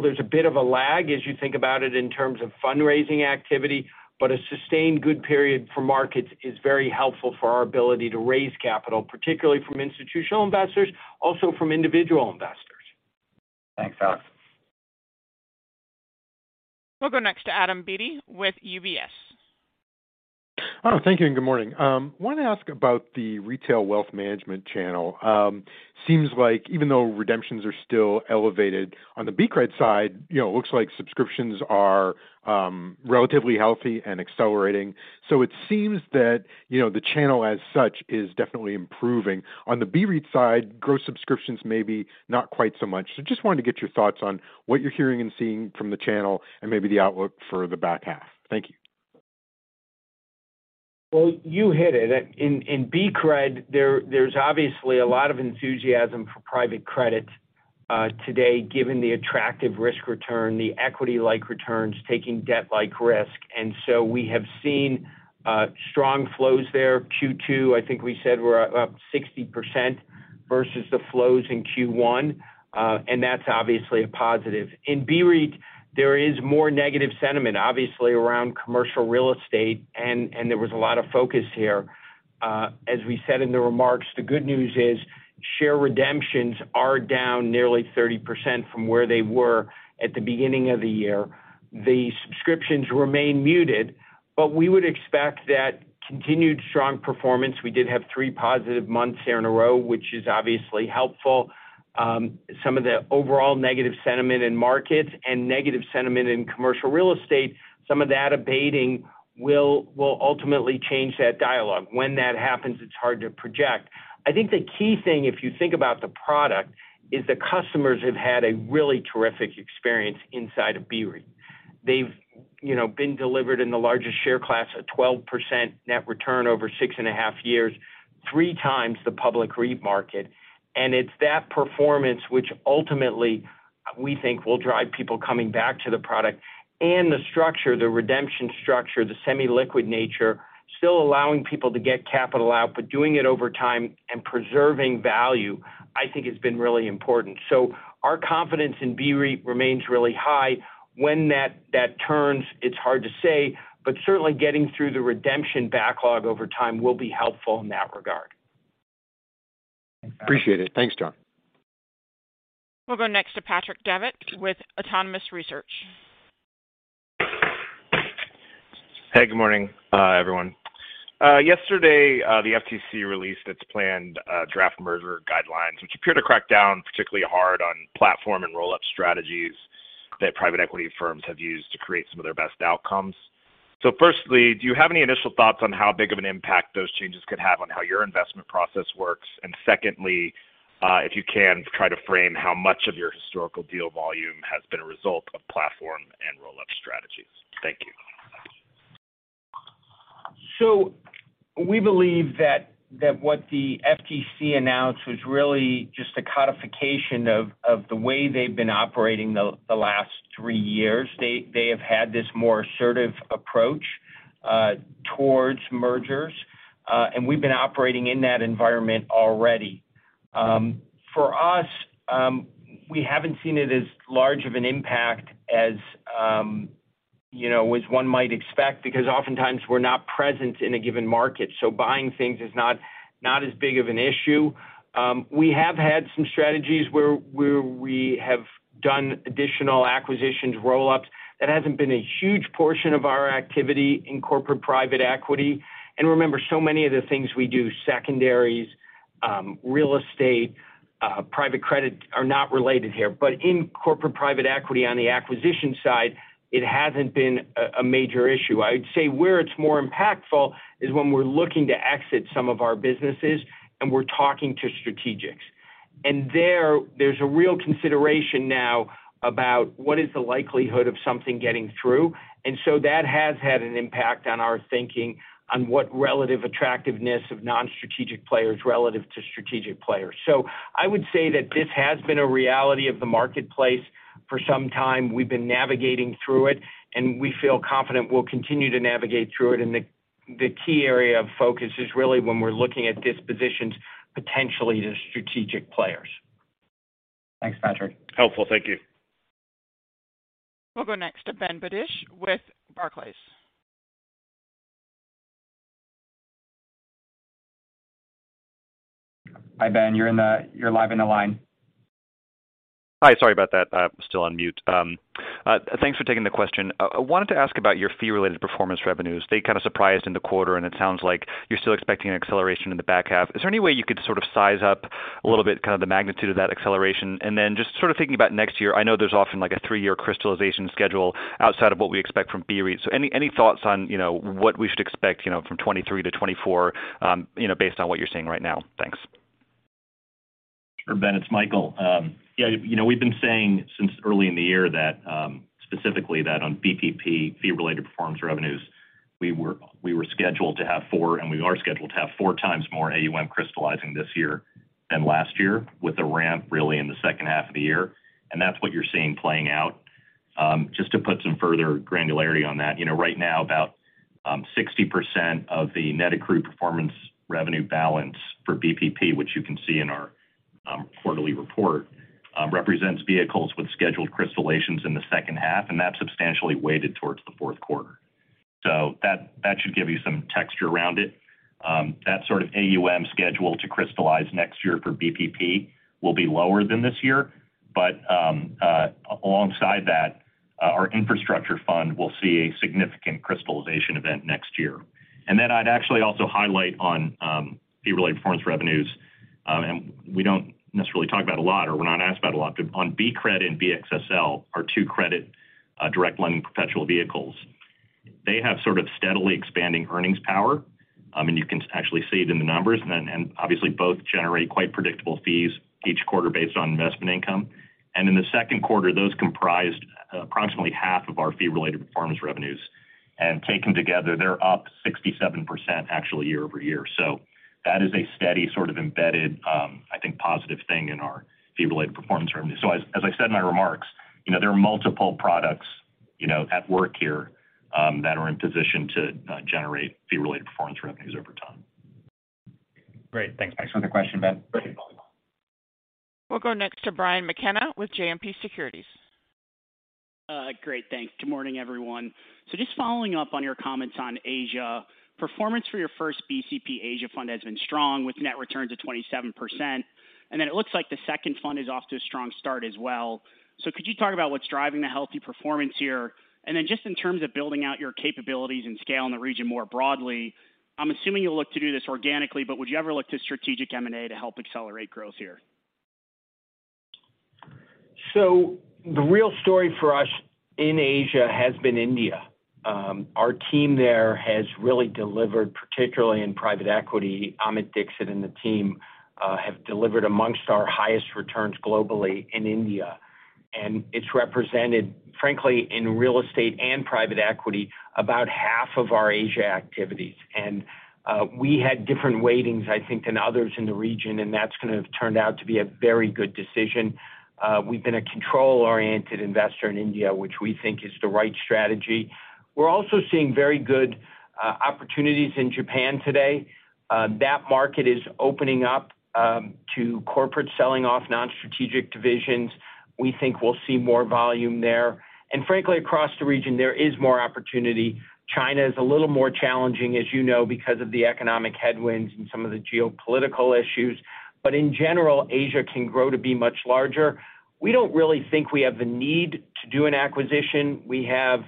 Speaker 4: There's a bit of a lag as you think about it in terms of fundraising activity, but a sustained good period for markets is very helpful for our ability to raise capital, particularly from institutional investors, also from individual investors.
Speaker 2: Thanks, Alex.
Speaker 1: We'll go next to Adam Beatty with UBS.
Speaker 11: Oh, thank you, and good morning. Wanted to ask about the retail wealth management channel. Seems like even though redemptions are still elevated on the BCRED side, you know, it looks like subscriptions are relatively healthy and accelerating. It seems that, you know, the channel as such, is definitely improving. On the BREIT side, gross subscriptions may be not quite so much. Just wanted to get your thoughts on what you're hearing and seeing from the channel and maybe the outlook for the back half. Thank you.
Speaker 4: Well, you hit it. In BCRED, there's obviously a lot of enthusiasm for private credit today, given the attractive risk return, the equity-like returns, taking debt-like risk. We have seen strong flows there. Q2, I think we said, we're up 60% versus the flows in Q1, that's obviously a positive. In BREIT, there is more negative sentiment, obviously, around commercial real estate, and there was a lot of focus here. As we said in the remarks, the good news is, share redemptions are down nearly 30% from where they were at the beginning of the year. The subscriptions remain muted, we would expect that continued strong performance. We did have three positive months here in a row, which is obviously helpful. Some of the overall negative sentiment in markets and negative sentiment in commercial real estate, some of that abating will ultimately change that dialogue. When that happens, it's hard to project. I think the key thing, if you think about the product, is the customers have had a really terrific experience inside of BREIT. They've, you know, been delivered in the largest share class, a 12% net return over six and a half years, three times the public REIT market. It's that performance which ultimately, we think will drive people coming back to the product. The structure, the redemption structure, the semi-liquid nature, still allowing people to get capital out, but doing it over time and preserving value, I think has been really important. Our confidence in BREIT remains really high. That turns, it's hard to say, but certainly getting through the redemption backlog over time will be helpful in that regard.
Speaker 11: Appreciate it. Thanks, Jon.
Speaker 1: We'll go next to Patrick Davitt with Autonomous Research.
Speaker 12: Hey, good morning, everyone. Yesterday, the FTC released its planned draft merger guidelines, which appear to crack down particularly hard on platform and roll-up strategies that private equity firms have used to create some of their best outcomes. Firstly, do you have any initial thoughts on how big of an impact those changes could have on how your investment process works? Secondly, if you can, try to frame how much of your historical deal volume has been a result of platform and roll-up strategies. Thank you.
Speaker 4: We believe that what the FTC announced was really just a codification of the way they've been operating the last three years. They have had this more assertive approach towards mergers, and we've been operating in that environment already. For us, we haven't seen it as large of an impact as, you know, as one might expect, because oftentimes we're not present in a given market, so buying things is not as big of an issue. We have had some strategies where we have done additional acquisitions, roll-ups. That hasn't been a huge portion of our activity in corporate private equity. Remember, so many of the things we do, secondaries, real estate, private credit, are not related here. In corporate private equity, on the acquisition side, it hasn't been a major issue. I'd say where it's more impactful is when we're looking to exit some of our businesses and we're talking to strategics. There's a real consideration now about what is the likelihood of something getting through, that has had an impact on our thinking on what relative attractiveness of non-strategic players relative to strategic players. I would say that this has been a reality of the marketplace for some time. We've been navigating through it, and we feel confident we'll continue to navigate through it, and the key area of focus is really when we're looking at dispositions potentially to strategic players.
Speaker 12: Thanks, Patrick. Helpful. Thank you.
Speaker 1: We'll go next to Ben Budish with Barclays.
Speaker 2: Hi, Ben, you're live in the line.
Speaker 13: Hi, sorry about that. I'm still on mute. Thanks for taking the question. I wanted to ask about your fee-related performance revenues. They kind of surprised in the quarter, and it sounds like you're still expecting an acceleration in the back half. Is there any way you could sort of size up a little bit, kind of the magnitude of that acceleration? Just sort of thinking about next year, I know there's often, like, a three-year crystallization schedule outside of what we expect from BREIT. Any thoughts on, you know, what we should expect, you know, from 2023 to 2024, you know, based on what you're seeing right now? Thanks.
Speaker 5: Sure, Ben, it's Michael. You know, we've been saying since early in the year that specifically that on BPP, fee-related performance revenues, we were scheduled to have four, and we are scheduled to have 4x more AUM crystallizing this year than last year, with the ramp really in the second half of the year. That's what you're seeing playing out. just to put some further granularity on that, you know, right now, about 60% of the net accrued performance revenue balance for BPP, which you can see in our quarterly report, represents vehicles with scheduled crystallizations in the second half, and that's substantially weighted towards the fourth quarter. That should give you some texture around it. That sort of AUM schedule to crystallize next year for BPP will be lower than this year, but alongside that, our infrastructure fund will see a significant crystallization event next year. I'd actually also highlight on fee-related performance revenues, and we don't necessarily talk about a lot, or we're not asked about a lot, on BCRED and BXSL, our two credit, direct lending perpetual vehicles. They have sort of steadily expanding earnings power, and you can actually see it in the numbers, obviously both generate quite predictable fees each quarter based on investment income. In the second quarter, those comprised approximately half of our fee-related performance revenues. Taken together, they're up 67% actually year-over-year. That is a steady sort of embedded, I think, positive thing in our fee-related performance revenue. As I said in my remarks, you know, there are multiple products, you know, at work here, that are in position to generate fee-related performance revenues over time.
Speaker 13: Great. Thanks.
Speaker 2: Thanks for the question, Ben.
Speaker 1: We'll go next to Brian McKenna with JMP Securities.
Speaker 14: Great, thanks. Good morning, everyone. Just following up on your comments on Asia, performance for your first BCP Asia fund has been strong, with net returns of 27%, and then it looks like the second fund is off to a strong start as well. Could you talk about what's driving the healthy performance here? Just in terms of building out your capabilities and scale in the region more broadly, I'm assuming you'll look to do this organically, but would you ever look to strategic M&A to help accelerate growth here?
Speaker 4: The real story for us in Asia has been India. Our team there has really delivered, particularly in private equity. Amit Dixit and the team have delivered amongst our highest returns globally in India, it's represented, frankly, in real estate and private equity, about half of our Asia activities. We had different weightings, I think, than others in the region, and that's kind of turned out to be a very good decision. We've been a control-oriented investor in India, which we think is the right strategy. We're also seeing very good opportunities in Japan today. That market is opening up to corporate selling off non-strategic divisions. We think we'll see more volume there. Frankly, across the region, there is more opportunity. China is a little more challenging, as you know, because of the economic headwinds and some of the geopolitical issues. In general, Asia can grow to be much larger. We don't really think we have the need to do an acquisition. We have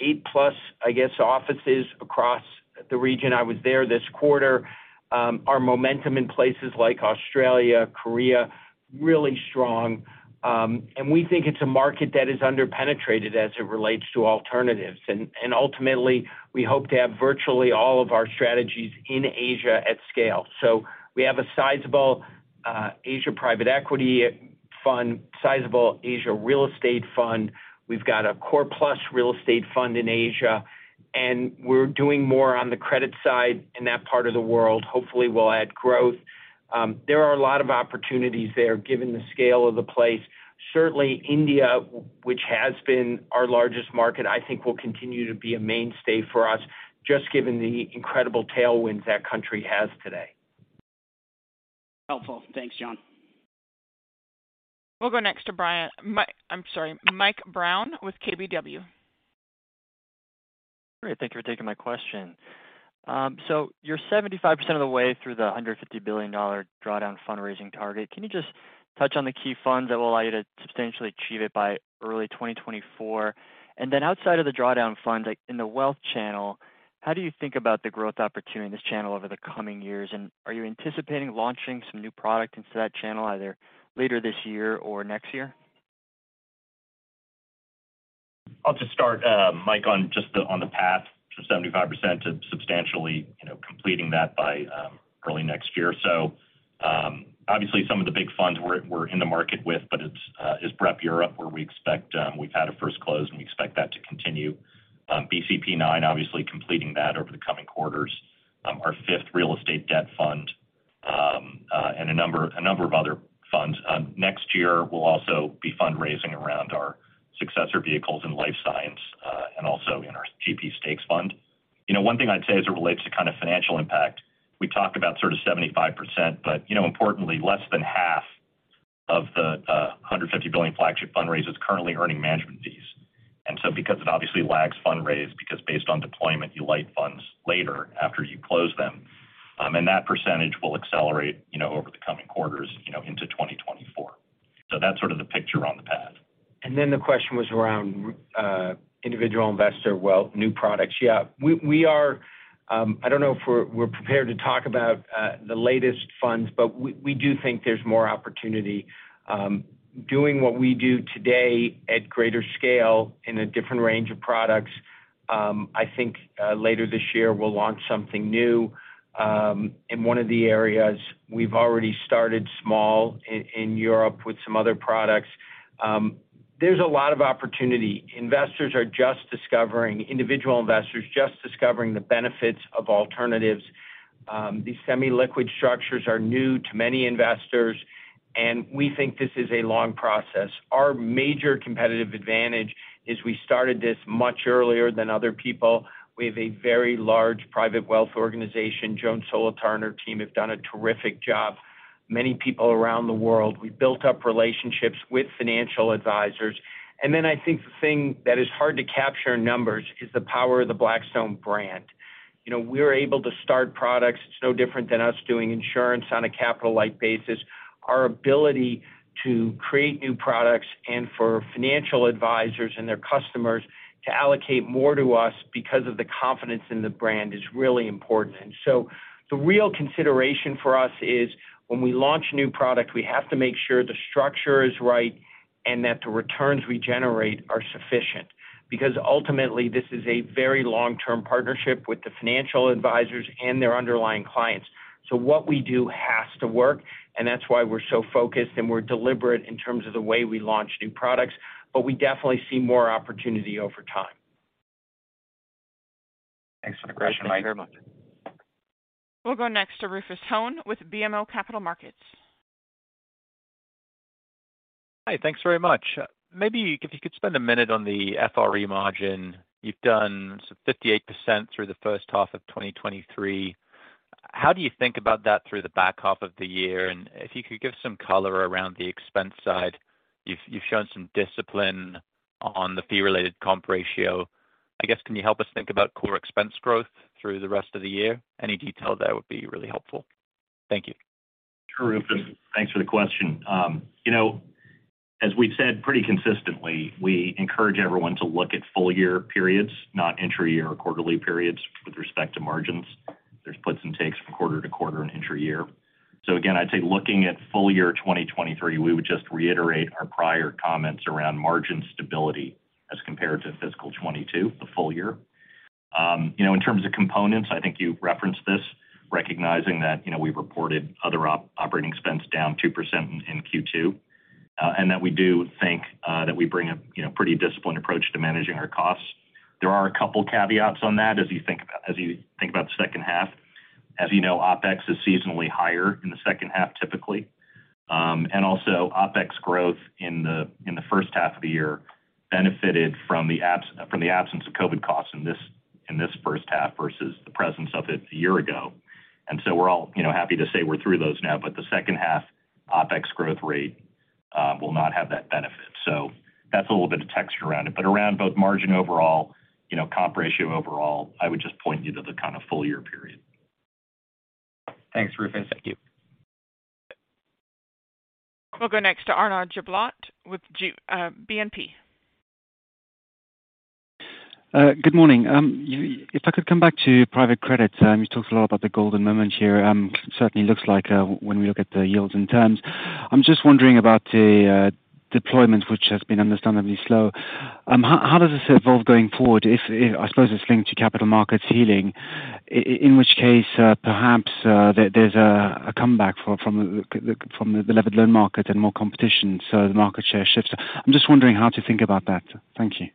Speaker 4: 8-plus, I guess, offices across the region. I was there this quarter. Our momentum in places like Australia, Korea, really strong. We think it's a market that is underpenetrated as it relates to alternatives. Ultimately, we hope to have virtually all of our strategies in Asia at scale. We have a sizable Asia private equity fund, sizable Asia real estate fund. We've got a core plus real estate fund in Asia, and we're doing more on the credit side in that part of the world. Hopefully, we'll add growth. There are a lot of opportunities there, given the scale of the place. Certainly, India, which has been our largest market, I think, will continue to be a mainstay for us, just given the incredible tailwinds that country has today.
Speaker 14: Helpful. Thanks, Jon.
Speaker 1: We'll go next to I'm sorry, Mike Brown with KBW.
Speaker 15: Great. Thank you for taking my question. You're 75% of the way through the $150 billion drawdown fundraising target. Can you just touch on the key funds that will allow you to substantially achieve it by early 2024? Outside of the drawdown funds, like, in the wealth channel, how do you think about the growth opportunity in this channel over the coming years? Are you anticipating launching some new product into that channel, either later this year or next year?
Speaker 5: I'll just start, Mike, on just the, on the path to 75% to substantially, you know, completing that by early next year. Obviously, some of the big funds we're in the market with, but it's BREP Europe, where we expect. We've had a first close, and we expect that to continue. BCP IX, obviously completing that over the coming quarters, our fifth real estate debt fund, and a number of other funds. Next year, we'll also be fundraising around our successor vehicles in life science and also in our GP stakes fund. You know, one thing I'd say as it relates to kind of financial impact, we talked about sort of 75%, but, you know, importantly, less than half of the $150 billion flagship fundraise is currently earning management fees. Because it obviously lags fundraise, because based on deployment, you like funds later after you close them. That percentage will accelerate, you know, over the coming quarters, you know, into 2024. That's sort of the picture on the path.
Speaker 4: The question was around individual investor wealth, new products. We are, I don't know if we're prepared to talk about the latest funds, but we do think there's more opportunity. Doing what we do today at greater scale in a different range of products, I think later this year, we'll launch something new in one of the areas we've already started small in Europe with some other products. There's a lot of opportunity. Individual investors, just discovering the benefits of alternatives. These semi-liquid structures are new to many investors, and we think this is a long process. Our major competitive advantage is we started this much earlier than other people. We have a very large private wealth organization. Joan Solotar and her team have done a terrific job. Many people around the world, we've built up relationships with financial advisors. Then I think the thing that is hard to capture in numbers is the power of the Blackstone brand. You know, we're able to start products. It's no different than us doing insurance on a capital-light basis. Our ability to create new products, and for financial advisors and their customers to allocate more to us because of the confidence in the brand, is really important. So the real consideration for us is, when we launch new product, we have to make sure the structure is right and that the returns we generate are sufficient. Ultimately, this is a very long-term partnership with the financial advisors and their underlying clients. What we do has to work, and that's why we're so focused, and we're deliberate in terms of the way we launch new products, but we definitely see more opportunity over time.
Speaker 2: Thanks for the question, Mike.
Speaker 15: Thank you very much.
Speaker 1: We'll go next to Rufus Hone with BMO Capital Markets.
Speaker 16: Hi, thanks very much. Maybe if you could spend a minute on the FRE margin? You've done some 58% through the first half of 2023. How do you think about that through the back half of the year? If you could give some color around the expense side? You've shown some discipline on the fee-related comp ratio. I guess, can you help us think about core expense growth through the rest of the year? Any detail there would be really helpful. Thank you.
Speaker 4: Sure, Rufus Hone. Thanks for the question. You know, as we've said pretty consistently, we encourage everyone to look at full-year periods, not intra-year or quarterly periods, with respect to margins. There's puts and takes from quarter to quarter and intra-year. Again, I'd say looking at full year 2023, we would just reiterate our prior comments around margin stability as compared to fiscal 2022, the full year. You know, in terms of components, I think you referenced this, recognizing that, you know, we've reported other operating expense down 2% in Q2. That we do think that we bring a, you know, pretty disciplined approach to managing our costs. There are a couple caveats on that as you think about the second half. As you know, OpEx is seasonally higher in the second half, typically. Also, OpEx growth in the first half of the year benefited from the absence of COVID costs in this first half versus the presence of it a year ago. We're all, you know, happy to say we're through those now, but the second half OpEx growth rate will not have that benefit. That's a little bit of texture around it. Around both margin overall, you know, comp ratio overall, I would just point you to the kind of full-year period.
Speaker 2: Thanks, Rufus. Thank you.
Speaker 1: We'll go next to Arnaud Giblat with BNP.
Speaker 17: Good morning. If I could come back to private credit. You talked a lot about the golden moment here. Certainly looks like when we look at the yields and terms. I'm just wondering about the deployment, which has been understandably slow. How does this evolve going forward? I suppose it's linked to capital markets healing, in which case perhaps there's a comeback from the leveraged loan market and more competition, so the market share shifts. I'm just wondering how to think about that. Thank you.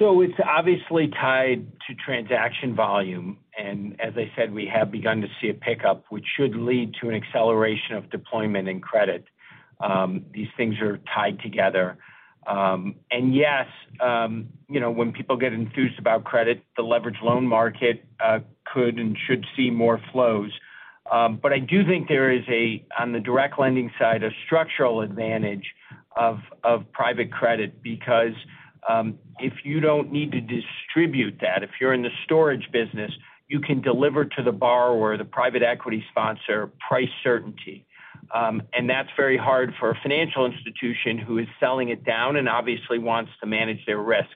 Speaker 4: It's obviously tied to transaction volume, and as I said, we have begun to see a pickup, which should lead to an acceleration of deployment and credit. These things are tied together. Yes, you know, when people get enthused about credit, the leverage loan market could and should see more flows. I do think there is a, on the direct lending side, a structural advantage of private credit because if you don't need to distribute that, if you're in the storage business, you can deliver to the borrower, the private equity sponsor, price certainty. That's very hard for a financial institution who is selling it down and obviously wants to manage their risk.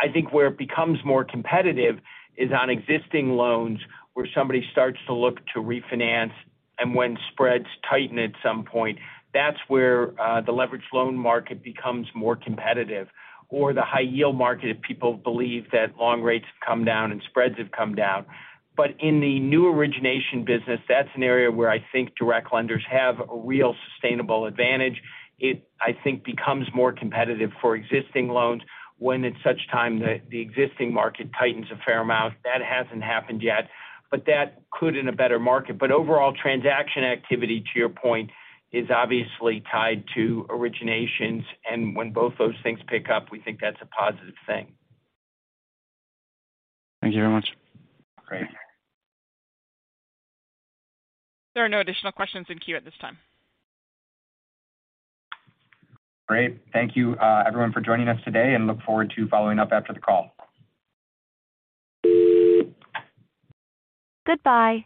Speaker 4: I think where it becomes more competitive is on existing loans, where somebody starts to look to refinance, and when spreads tighten at some point, that's where the leveraged loan market becomes more competitive, or the high yield market, if people believe that long rates have come down and spreads have come down. In the new origination business, that's an area where I think direct lenders have a real sustainable advantage. It, I think, becomes more competitive for existing loans when at such time that the existing market tightens a fair amount. That hasn't happened yet, but that could in a better market. Overall, transaction activity, to your point, is obviously tied to originations, and when both those things pick up, we think that's a positive thing.
Speaker 17: Thank you very much.
Speaker 2: Great.
Speaker 1: There are no additional questions in queue at this time.
Speaker 2: Great. Thank you, everyone for joining us today and look forward to following up after the call.
Speaker 1: Goodbye.